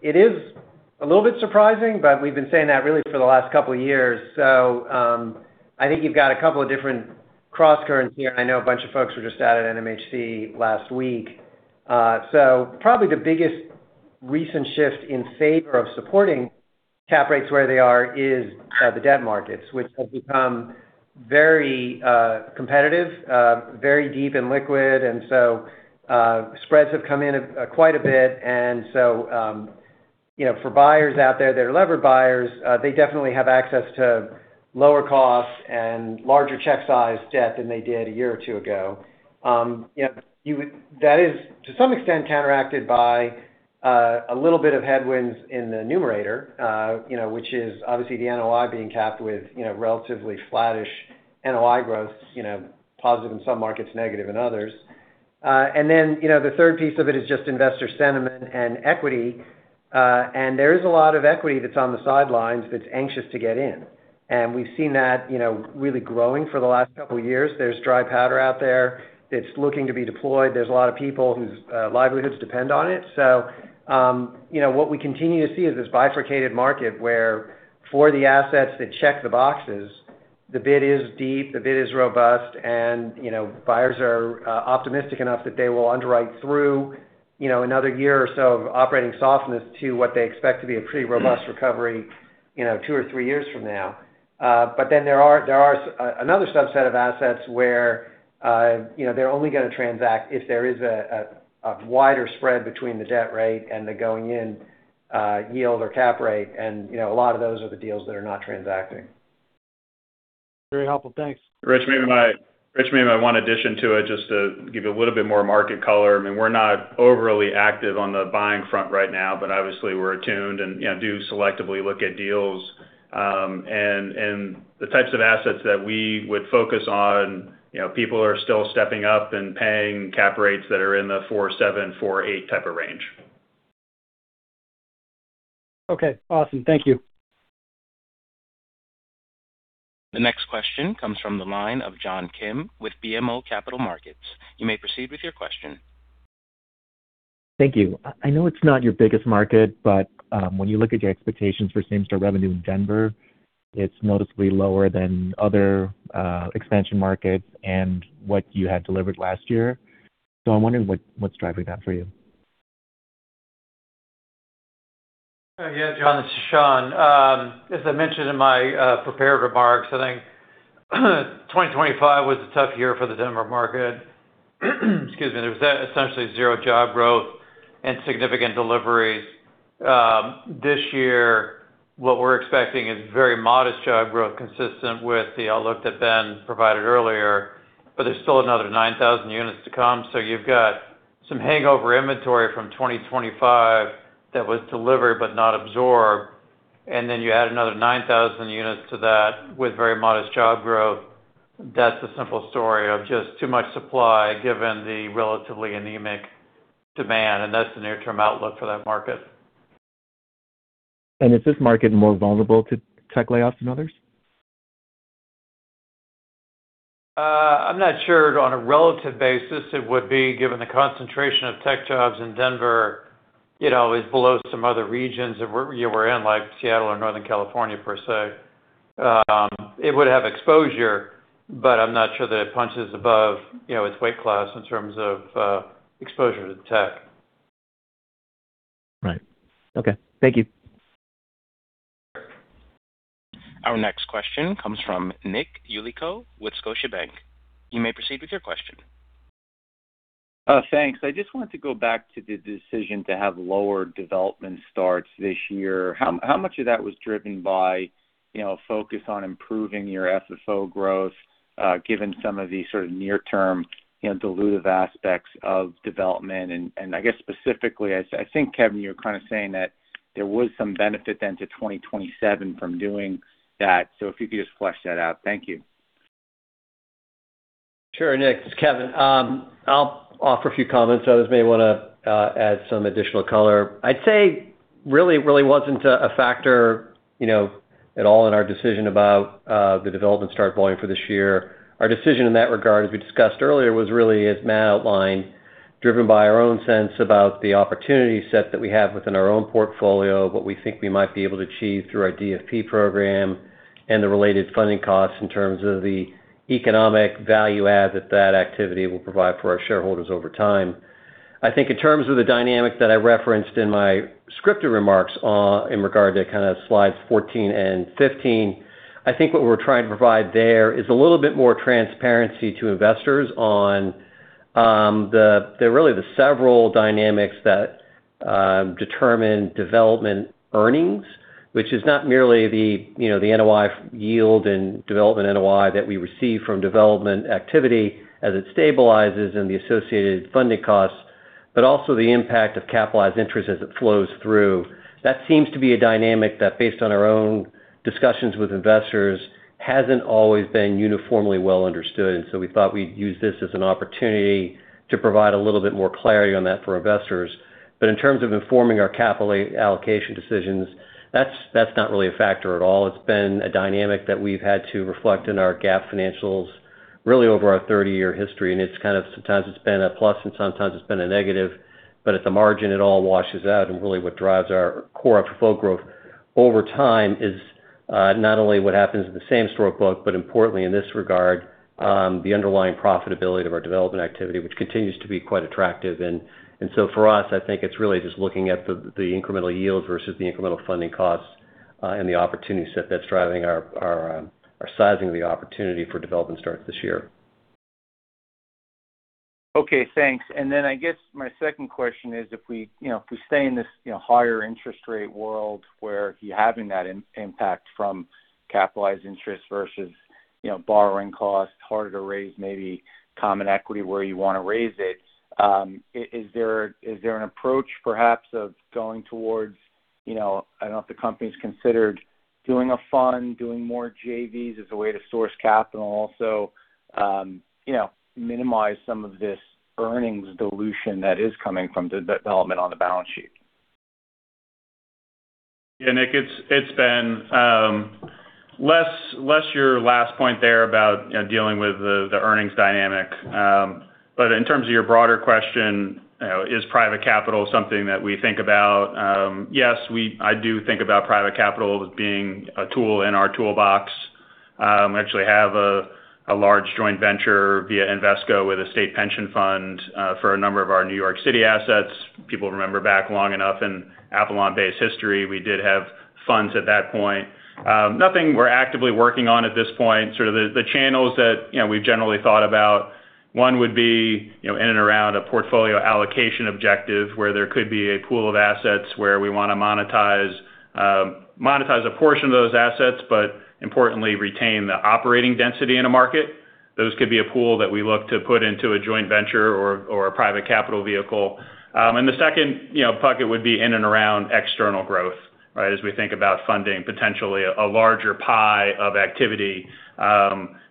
It is a little bit surprising, but we've been saying that really for the last couple of years. So, I think you've got a couple of different crosscurrents here. I know a bunch of folks were just out at NMHC last week. So probably the biggest recent shift in favor of supporting cap rates where they are is, the debt markets, which have become very, competitive, very deep and liquid, and so, spreads have come in, quite a bit. And so, you know, for buyers out there that are levered buyers, they definitely have access to lower costs and larger check size debt than they did a year or two ago. You know, that is, to some extent, counteracted by a little bit of headwinds in the numerator, you know, which is obviously the NOI being capped with, you know, relatively flattish NOI growth, you know, positive in some markets, negative in others. And then, you know, the third piece of it is just investor sentiment and equity, and there is a lot of equity that's on the sidelines that's anxious to get in. And we've seen that, you know, really growing for the last couple of years. There's dry powder out there that's looking to be deployed. There's a lot of people whose livelihoods depend on it. So, you know, what we continue to see is this bifurcated market, where for the assets that check the boxes, the bid is deep, the bid is robust, and, you know, buyers are optimistic enough that they will underwrite through, you know, another year or so of operating softness to what they expect to be a pretty robust recovery, you know, two or three years from now. But then there are another subset of assets where, you know, they're only gonna transact if there is a wider spread between the debt rate and the going-in yield or cap rate. And, you know, a lot of those are the deals that are not transacting. Very helpful. Thanks. Rich, maybe my one addition to it, just to give you a little bit more market color. I mean, we're not overly active on the buying front right now, but obviously we're attuned and, you know, do selectively look at deals. And the types of assets that we would focus on, you know, people are still stepping up and paying cap rates that are in the 4.7-4.8 type of range. Okay, awesome. Thank you. The next question comes from the line of John Kim with BMO Capital Markets. You may proceed with your question. Thank you. I know it's not your biggest market, but when you look at your expectations for same-store revenue in Denver, it's noticeably lower than other expansion markets and what you had delivered last year. So I'm wondering what's driving that for you? Yeah, John, this is Sean. As I mentioned in my prepared remarks, I think, 2025 was a tough year for the Denver market. There was essentially zero job growth and significant deliveries. This year, what we're expecting is very modest job growth, consistent with the outlook that Ben provided earlier, but there's still another 9,000 units to come. So you've got some hangover inventory from 2025 that was delivered but not absorbed, and then you add another 9,000 units to that with very modest job growth. That's the simple story of just too much supply, given the relatively anemic demand, and that's the near-term outlook for that market. Is this market more vulnerable to tech layoffs than others? I'm not sure. On a relative basis, it would be, given the concentration of tech jobs in Denver. ... you know, is below some other regions that we're, you were in, like Seattle or Northern California, per se. It would have exposure, but I'm not sure that it punches above, you know, its weight class in terms of, exposure to tech. Right. Okay, thank you. Our next question comes from Nick Yulico with Scotiabank. You may proceed with your question. Thanks. I just wanted to go back to the decision to have lower development starts this year. How much of that was driven by, you know, focus on improving your FFO growth, given some of the sort of near-term, you know, dilutive aspects of development? And I guess specifically, I think, Kevin, you were kind of saying that there was some benefit then to 2027 from doing that. So if you could just flesh that out. Thank you. Sure, Nick, this is Kevin. I'll offer a few comments. Others may wanna add some additional color. I'd say really, it really wasn't a factor, you know, at all in our decision about the development start volume for this year. Our decision in that regard, as we discussed earlier, was really, as Matt outlined, driven by our own sense about the opportunity set that we have within our own portfolio, what we think we might be able to achieve through our DFP program, and the related funding costs in terms of the economic value add that that activity will provide for our shareholders over time. I think in terms of the dynamic that I referenced in my scripted remarks, in regard to kind of slides 14 and 15, I think what we're trying to provide there is a little bit more transparency to investors on the really several dynamics that determine development earnings, which is not merely the, you know, the NOI yield and development NOI that we receive from development activity as it stabilizes and the associated funding costs, but also the impact of capitalized interest as it flows through. That seems to be a dynamic that, based on our own discussions with investors, hasn't always been uniformly well understood, and so we thought we'd use this as an opportunity to provide a little bit more clarity on that for investors. But in terms of informing our capital allocation decisions, that's not really a factor at all. It's been a dynamic that we've had to reflect in our GAAP financials, really over our 30-year history, and it's kind of sometimes it's been a plus, and sometimes it's been a negative, but at the margin, it all washes out. And really, what drives our core FFO growth over time is, not only what happens in the same-store book, but importantly, in this regard, the underlying profitability of our development activity, which continues to be quite attractive. And so for us, I think it's really just looking at the, the incremental yield versus the incremental funding costs, and the opportunity set that's driving our, our, our sizing of the opportunity for development starts this year. Okay, thanks. And then I guess my second question is, if we, you know, if we stay in this, you know, higher interest rate world where you're having that impact from capitalized interest versus, you know, borrowing costs, harder to raise maybe common equity where you want to raise it, is there, is there an approach perhaps, of going towards, you know, I don't know if the company's considered doing a fund, doing more JVs as a way to source capital also, you know, minimize some of this earnings dilution that is coming from the development on the balance sheet? Yeah, Nick, it's been less your last point there about, you know, dealing with the earnings dynamic, but in terms of your broader question, you know, is private capital something that we think about? Yes, I do think about private capital as being a tool in our toolbox. We actually have a large joint venture via Invesco with a state pension fund for a number of our New York City assets. People remember back long enough in AvalonBay's history, we did have funds at that point. Nothing we're actively working on at this point. Sort of the channels that, you know, we've generally thought about, one would be, you know, in and around a portfolio allocation objective, where there could be a pool of assets where we wanna monetize a portion of those assets, but importantly, retain the operating density in a market. Those could be a pool that we look to put into a joint venture or a private capital vehicle. And the second, you know, bucket would be in and around external growth, right? As we think about funding, potentially a larger pie of activity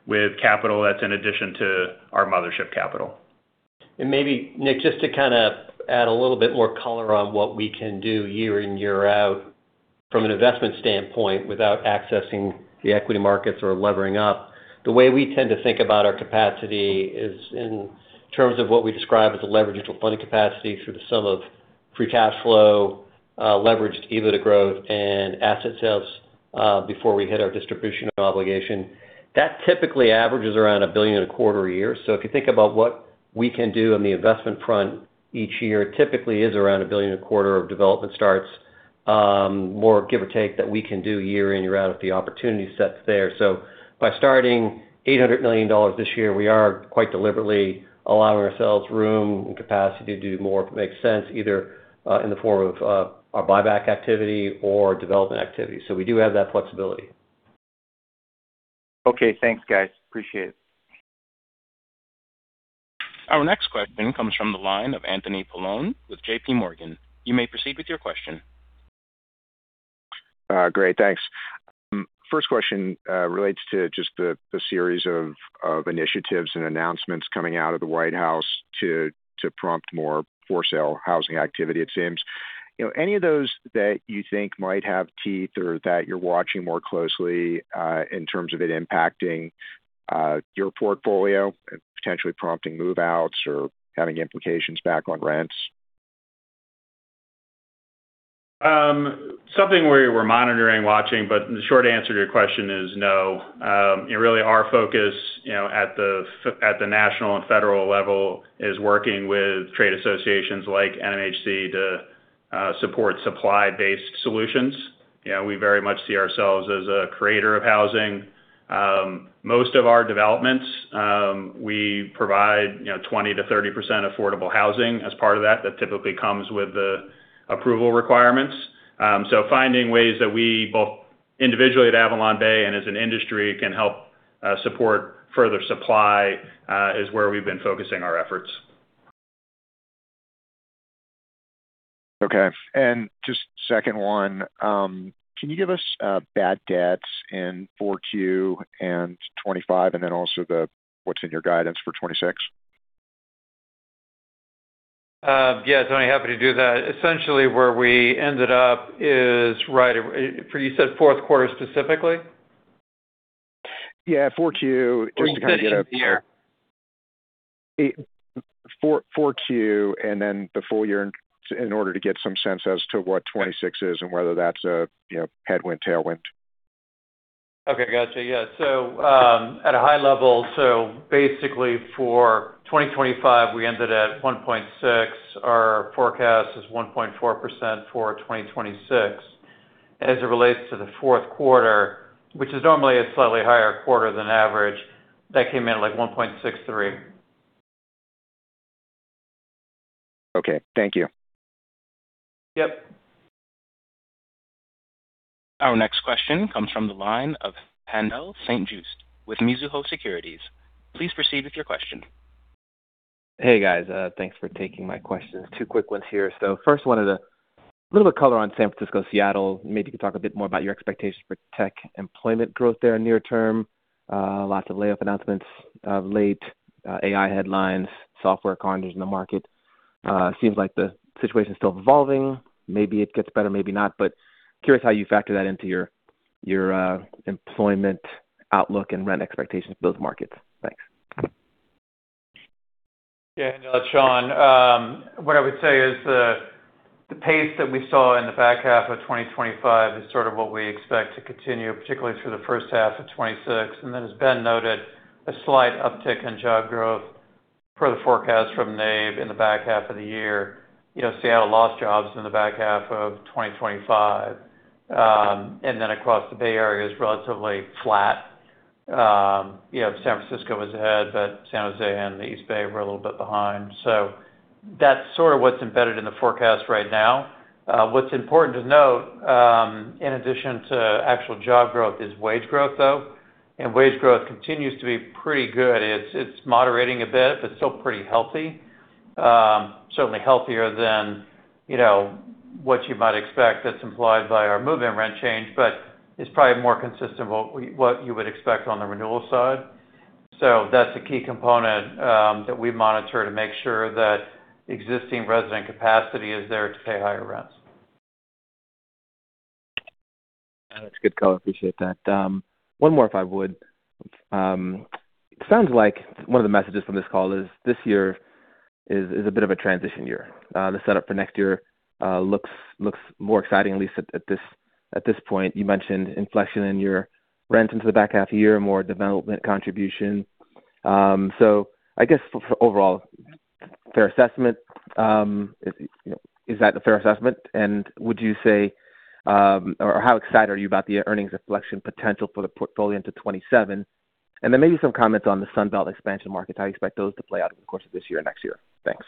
with capital, that's in addition to our mothership capital. And maybe, Nick, just to kind of add a little bit more color on what we can do year in, year out from an investment standpoint without accessing the equity markets or levering up. The way we tend to think about our capacity is in terms of what we describe as a leveraged funding capacity through the sum of free cash flow, leveraged EBITDA growth, and asset sales, before we hit our distribution obligation. That typically averages around $1 billion a quarter a year. So if you think about what we can do on the investment front each year, typically is around $1 billion a quarter of development starts, more give or take, that we can do year in, year out, if the opportunity set's there. By starting $800 million this year, we are quite deliberately allowing ourselves room and capacity to do more, if it makes sense, either in the form of our buyback activity or development activity. We do have that flexibility. Okay. Thanks, guys. Appreciate it. Our next question comes from the line of Anthony Paolone with J.P. Morgan. You may proceed with your question. Great, thanks. First question relates to just the series of initiatives and announcements coming out of the White House to prompt more for-sale housing activity, it seems. You know, any of those that you think might have teeth or that you're watching more closely, in terms of it impacting... your portfolio and potentially prompting move-outs or having implications back on rents? Something we were monitoring, watching, but the short answer to your question is no. Really our focus, you know, at the national and federal level is working with trade associations like NMHC to support supply-based solutions. You know, we very much see ourselves as a creator of housing. Most of our developments, we provide, you know, 20%-30% affordable housing as part of that. That typically comes with the approval requirements. So finding ways that we both individually at AvalonBay and as an industry can help support further supply is where we've been focusing our efforts. Okay. And just second one, can you give us bad debts in 4Q 2025, and then also the, what's in your guidance for 2026? Yeah, Tony, happy to do that. Essentially, where we ended up is right... For you said fourth quarter, specifically? Yeah, 4Q, just to kind of get a- Or you said year. Q4 and then the full-year in order to get some sense as to what 2026 is and whether that's a, you know, headwind, tailwind. Okay, got you. Yeah. So at a high level, so basically for 2025, we ended at 1.6%. Our forecast is 1.4% for 2026. As it relates to the fourth quarter, which is normally a slightly higher quarter than average, that came in at, like, 1.63%. Okay, thank you. Yep. Our next question comes from the line of Haendel St. Juste, with Mizuho Securities. Please proceed with your question. Hey, guys. Thanks for taking my question. Two quick ones here. So first one is a little bit color on San Francisco, Seattle. Maybe you could talk a bit more about your expectations for tech employment growth there near term. Lots of layoff announcements, lately AI headlines, software companies in the market. Seems like the situation is still evolving. Maybe it gets better, maybe not, but curious how you factor that into your employment outlook and rent expectations for those markets. Thanks. Yeah, Sean, what I would say is the, the pace that we saw in the back half of 2025 is sort of what we expect to continue, particularly through the first half of 2026. And then, as Ben noted, a slight uptick in job growth per the forecast from NABE in the back half of the year. You know, Seattle lost jobs in the back half of 2025. And then across the Bay Area is relatively flat. You know, San Francisco is ahead, but San Jose and the East Bay were a little bit behind. So that's sort of what's embedded in the forecast right now. What's important to note, in addition to actual job growth, is wage growth, though. And wage growth continues to be pretty good. It's, it's moderating a bit, but still pretty healthy. Certainly healthier than, you know, what you might expect that's implied by our move-in rent change, but it's probably more consistent with what you would expect on the renewal side. So that's a key component, that we monitor to make sure that existing resident capacity is there to pay higher rents. That's a good call. Appreciate that. One more, if I would. Sounds like one of the messages from this call is this year is a bit of a transition year. The setup for next year looks more exciting, at least at this point. You mentioned inflection in your rents into the back half of the year, more development contribution. So I guess for overall fair assessment, you know, is that a fair assessment? And would you say, or how excited are you about the earnings inflection potential for the portfolio into 2027? And then maybe some comments on the Sun Belt expansion markets. How do you expect those to play out over the course of this year and next year? Thanks.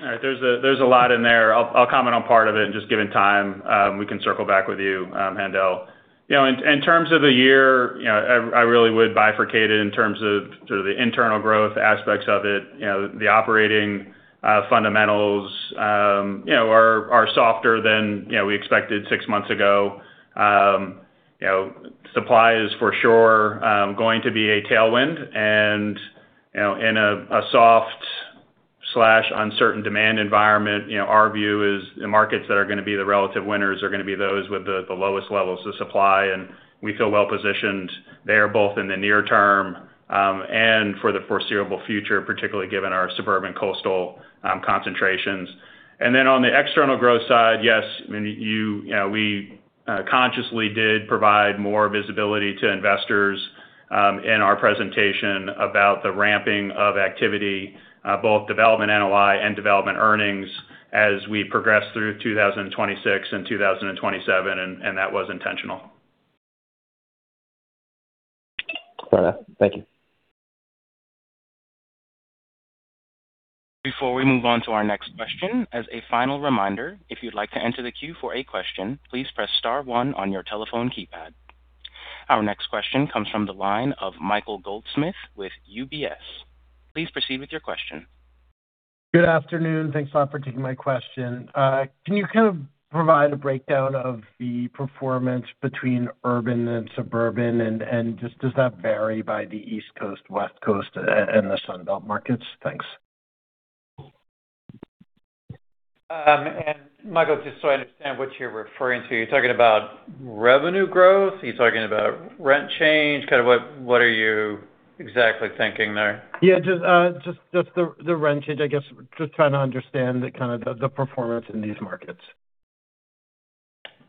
All right. There's a lot in there. I'll comment on part of it, and just given time, we can circle back with you, Haendel. You know, in terms of the year, you know, I really would bifurcate it in terms of sort of the internal growth aspects of it. You know, the operating fundamentals, you know, are softer than, you know, we expected six months ago. You know, supply is for sure going to be a tailwind. And, you know, in a soft/uncertain demand environment, you know, our view is the markets that are gonna be the relative winners are gonna be those with the lowest levels of supply, and we feel well positioned there, both in the near term, and for the foreseeable future, particularly given our suburban coastal concentrations. And then on the external growth side, yes, I mean, you, you know, we consciously did provide more visibility to investors in our presentation about the ramping of activity, both development NOI and development earnings as we progress through 2026 and 2027, and, and that was intentional. Got it. Thank you. Before we move on to our next question, as a final reminder, if you'd like to enter the queue for a question, please press star one on your telephone keypad. Our next question comes from the line of Michael Goldsmith with UBS. Please proceed with your question. Good afternoon. Thanks a lot for taking my question. Can you kind of provide a breakdown of the performance between urban and suburban? And just does that vary by the East Coast, West Coast, and the Sun Belt markets? Thanks. And Michael, just so I understand what you're referring to, are you talking about revenue growth? Are you talking about rent change? Kind of what, what are you exactly thinking there? Yeah, just the rent change. I guess just trying to understand the kind of performance in these markets.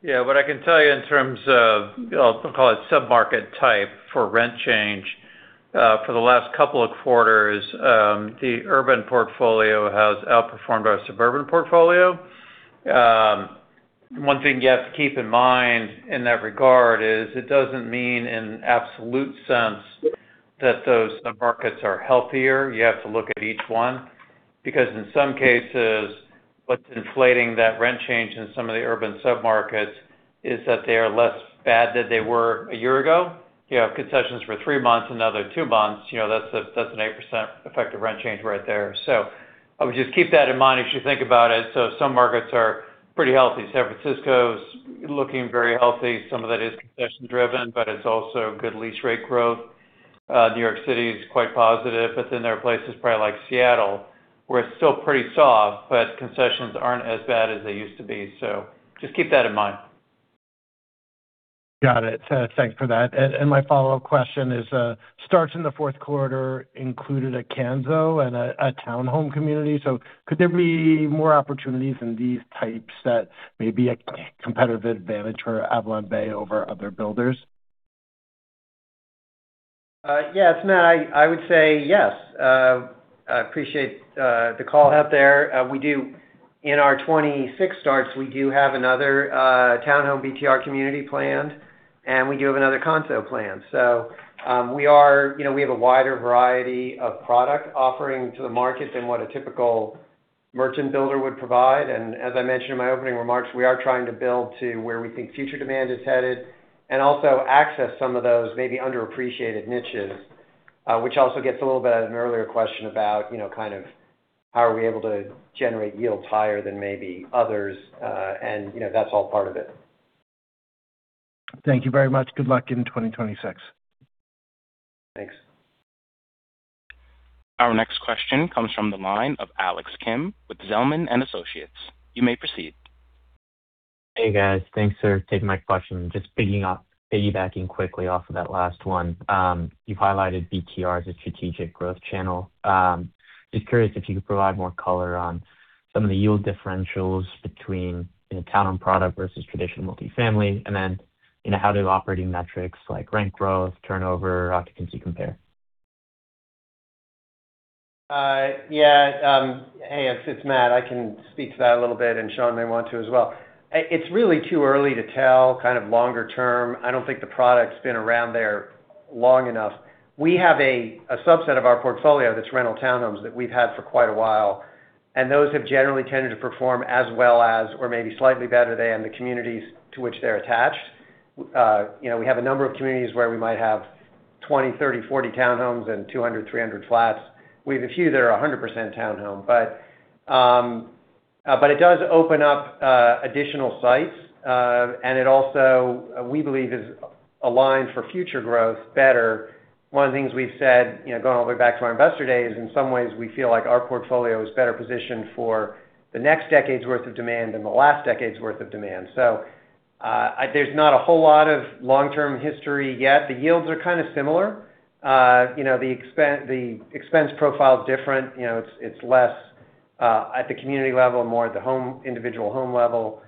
Yeah, what I can tell you in terms of, I'll call it sub-market type for rent change, for the last couple of quarters, the urban portfolio has outperformed our suburban portfolio. One thing you have to keep in mind in that regard is it doesn't mean in absolute sense that those submarkets are healthier. You have to look at each one, because in some cases, what's inflating that rent change in some of the urban submarkets is that they are less bad than they were a year ago. You have concessions for three months, another two months, you know, that's a, that's an 8% effective rent change right there. So I would just keep that in mind as you think about it. So some markets are pretty healthy. San Francisco's looking very healthy. Some of that is concession-driven, but it's also good lease rate growth. New York City is quite positive, but then there are places probably like Seattle, where it's still pretty soft, but concessions aren't as bad as they used to be. So just keep that in mind. Got it. Thanks for that. And my follow-up question is, starts in the fourth quarter included a condo and a townhome community. So could there be more opportunities in these types that may be a competitive advantage for AvalonBay over other builders? Yes, Matt, I would say yes. I appreciate the call out there. We do in our 26 starts have another townhome BTR community planned, and we do have another condo planned. So, we are you know, we have a wider variety of product offering to the market than what a typical merchant builder would provide. And as I mentioned in my opening remarks, we are trying to build to where we think future demand is headed and also access some of those maybe underappreciated niches, which also gets a little bit at an earlier question about, you know, kind of how are we able to generate yields higher than maybe others, and you know, that's all part of it. Thank you very much. Good luck in 2026. Thanks. Our next question comes from the line of Alex Kalmus with Zelman & Associates. You may proceed. Hey, guys. Thanks for taking my question. Just piggying off, piggybacking quickly off of that last one. You've highlighted BTR as a strategic growth channel. Just curious if you could provide more color on some of the yield differentials between the townhome product versus traditional multifamily, and then, you know, how do operating metrics like rent growth, turnover, occupancy compare? Yeah. Hey, it's Matt. I can speak to that a little bit, and Sean may want to as well. It's really too early to tell, kind of longer term. I don't think the product's been around there long enough. We have a subset of our portfolio that's rental townhomes that we've had for quite a while, and those have generally tended to perform as well as or maybe slightly better than the communities to which they're attached. You know, we have a number of communities where we might have 20, 30, 40 townhomes and 200, 300 flats. We have a few that are 100% townhome. But it does open up additional sites, and it also, we believe, is aligned for future growth better. One of the things we've said, you know, going all the way back to our investor day, is in some ways, we feel like our portfolio is better positioned for the next decade's worth of demand than the last decade's worth of demand. So, there's not a whole lot of long-term history yet. The yields are kind of similar. You know, the expense profile is different. You know, it's, it's less at the community level, more at the home, individual home level,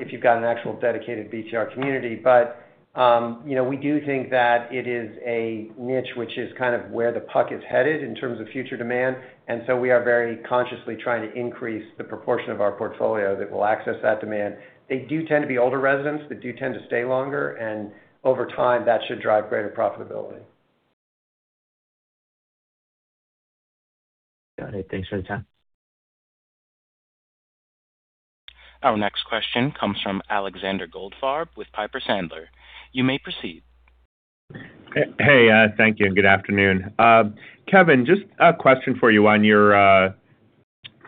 if you've got an actual dedicated BTR community. But, you know, we do think that it is a niche which is kind of where the puck is headed in terms of future demand, and so we are very consciously trying to increase the proportion of our portfolio that will access that demand. They do tend to be older residents that do tend to stay longer, and over time, that should drive greater profitability. Got it. Thanks for the time. Our next question comes from Alexander Goldfarb with Piper Sandler. You may proceed. Hey, thank you, and good afternoon. Kevin, just a question for you on your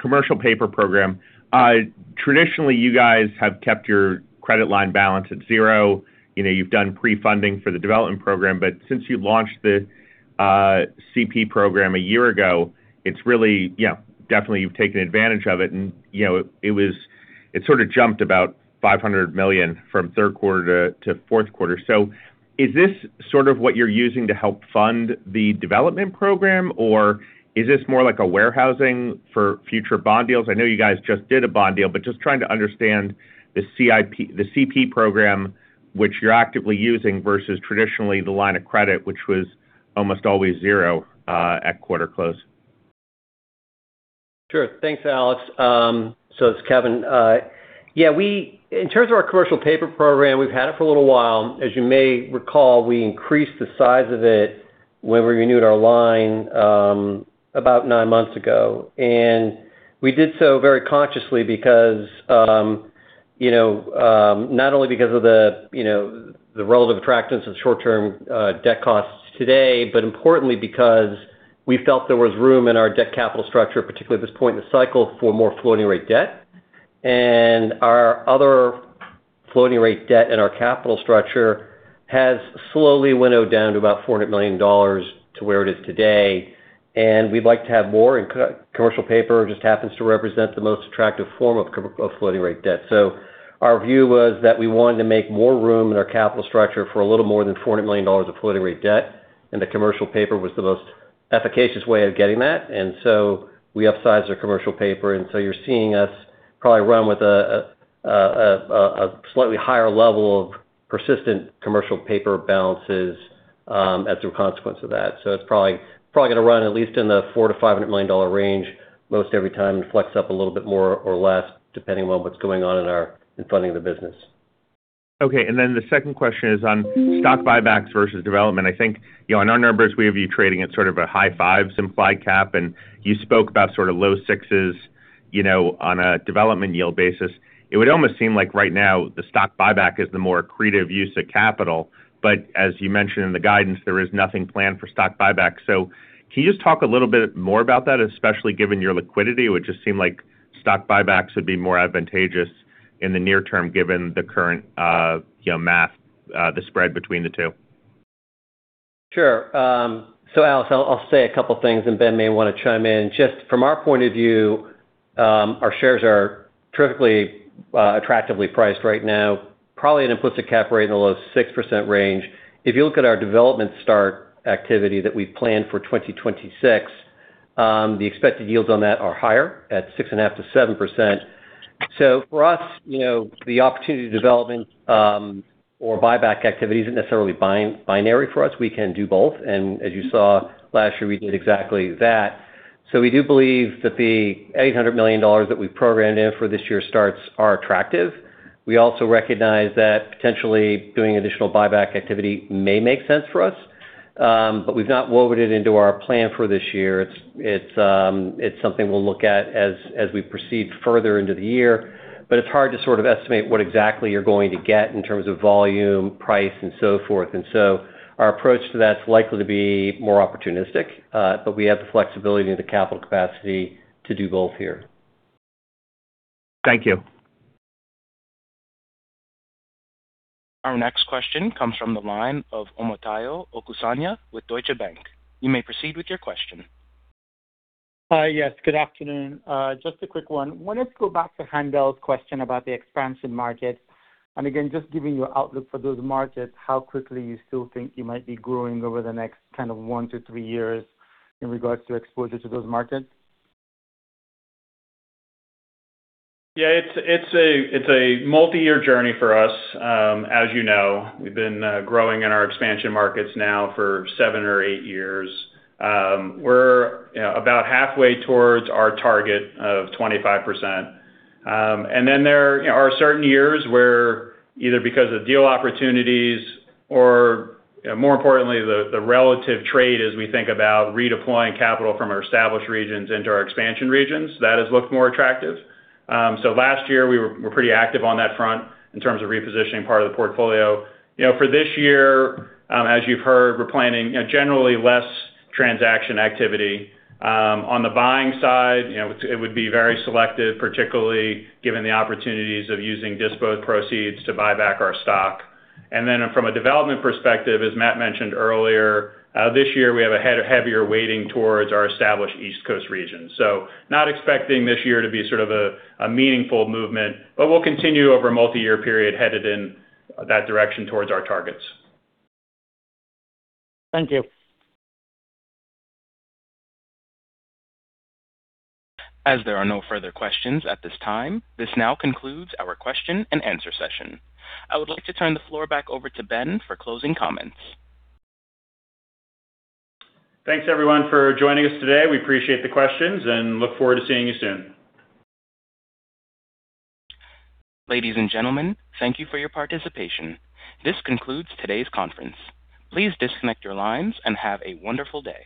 commercial paper program. Traditionally, you guys have kept your credit line balance at zero. You know, you've done pre-funding for the development program, but since you launched the CP program a year ago, it's really... Yeah, definitely, you've taken advantage of it, and, you know, it, it was - it sort of jumped about $500 million from third quarter to fourth quarter. So is this sort of what you're using to help fund the development program, or is this more like a warehousing for future bond deals? I know you guys just did a bond deal, but just trying to understand the CIP... the CP program, which you're actively using, versus traditionally the line of credit, which was almost always zero at quarter close. Sure. Thanks, Alex. So it's Kevin. Yeah, we—in terms of our commercial paper program, we've had it for a little while. As you may recall, we increased the size of it when we renewed our line, about nine months ago. And we did so very consciously because, you know, not only because of the, you know, the relative attractiveness of short-term, debt costs today, but importantly because we felt there was room in our debt capital structure, particularly at this point in the cycle, for more floating rate debt. And our other-... floating rate debt in our capital structure has slowly winnowed down to about $400 million to where it is today, and we'd like to have more, and commercial paper just happens to represent the most attractive form of floating rate debt. So our view was that we wanted to make more room in our capital structure for a little more than $400 million of floating rate debt, and the commercial paper was the most efficacious way of getting that. And so we upsized our commercial paper, and so you're seeing us probably run with a slightly higher level of persistent commercial paper balances, as a consequence of that. So it's probably gonna run at least in the $400 million-$500 million range most every time, and flex up a little bit more or less, depending on what's going on in funding the business. Okay, and then the second question is on stock buybacks versus development. I think, you know, in our numbers, we have you trading at sort of a high 5 simplified cap, and you spoke about sort of low 6s, you know, on a development yield basis. It would almost seem like right now, the stock buyback is the more accretive use of capital, but as you mentioned in the guidance, there is nothing planned for stock buyback. So can you just talk a little bit more about that, especially given your liquidity? It would just seem like stock buybacks would be more advantageous in the near term, given the current, you know, math, the spread between the two. Sure. So Alex, I'll, I'll say a couple things, and Ben may wanna chime in. Just from our point of view, our shares are terrifically attractively priced right now. Probably an implicit cap rate in the low 6% range. If you look at our development start activity that we've planned for 2026, the expected yields on that are higher, at 6.5%-7%. So for us, you know, the opportunity to development or buyback activity isn't necessarily binary for us. We can do both, and as you saw last year, we did exactly that. So we do believe that the $800 million that we've programmed in for this year's starts are attractive. We also recognize that potentially doing additional buyback activity may make sense for us, but we've not woven it into our plan for this year. It's something we'll look at as we proceed further into the year. But it's hard to sort of estimate what exactly you're going to get in terms of volume, price, and so forth. And so our approach to that's likely to be more opportunistic, but we have the flexibility and the capital capacity to do both here. Thank you. Our next question comes from the line of Omotayo Okusanya with Deutsche Bank. You may proceed with your question. Yes, good afternoon. Just a quick one. I wanted to go back to Haendel's question about the expansion markets, and again, just giving your outlook for those markets, how quickly you still think you might be growing over the next kind of 1-3 years in regards to exposure to those markets? Yeah, it's a multi-year journey for us. As you know, we've been growing in our expansion markets now for 7 or 8 years. We're, you know, about halfway towards our target of 25%. And then there, you know, are certain years where either because of deal opportunities or, you know, more importantly, the relative trade as we think about redeploying capital from our established regions into our expansion regions, that has looked more attractive. So last year, we were pretty active on that front in terms of repositioning part of the portfolio. You know, for this year, as you've heard, we're planning, you know, generally less transaction activity. On the buying side, you know, it would be very selective, particularly given the opportunities of using disposed proceeds to buy back our stock. Then from a development perspective, as Matt mentioned earlier, this year, we have a heavier weighting towards our established East Coast region. So not expecting this year to be sort of a meaningful movement, but we'll continue over a multi-year period, headed in that direction towards our targets. Thank you. As there are no further questions at this time, this now concludes our question-and-answer session. I would like to turn the floor back over to Ben for closing comments. Thanks, everyone, for joining us today. We appreciate the questions and look forward to seeing you soon. Ladies and gentlemen, thank you for your participation. This concludes today's conference. Please disconnect your lines and have a wonderful day.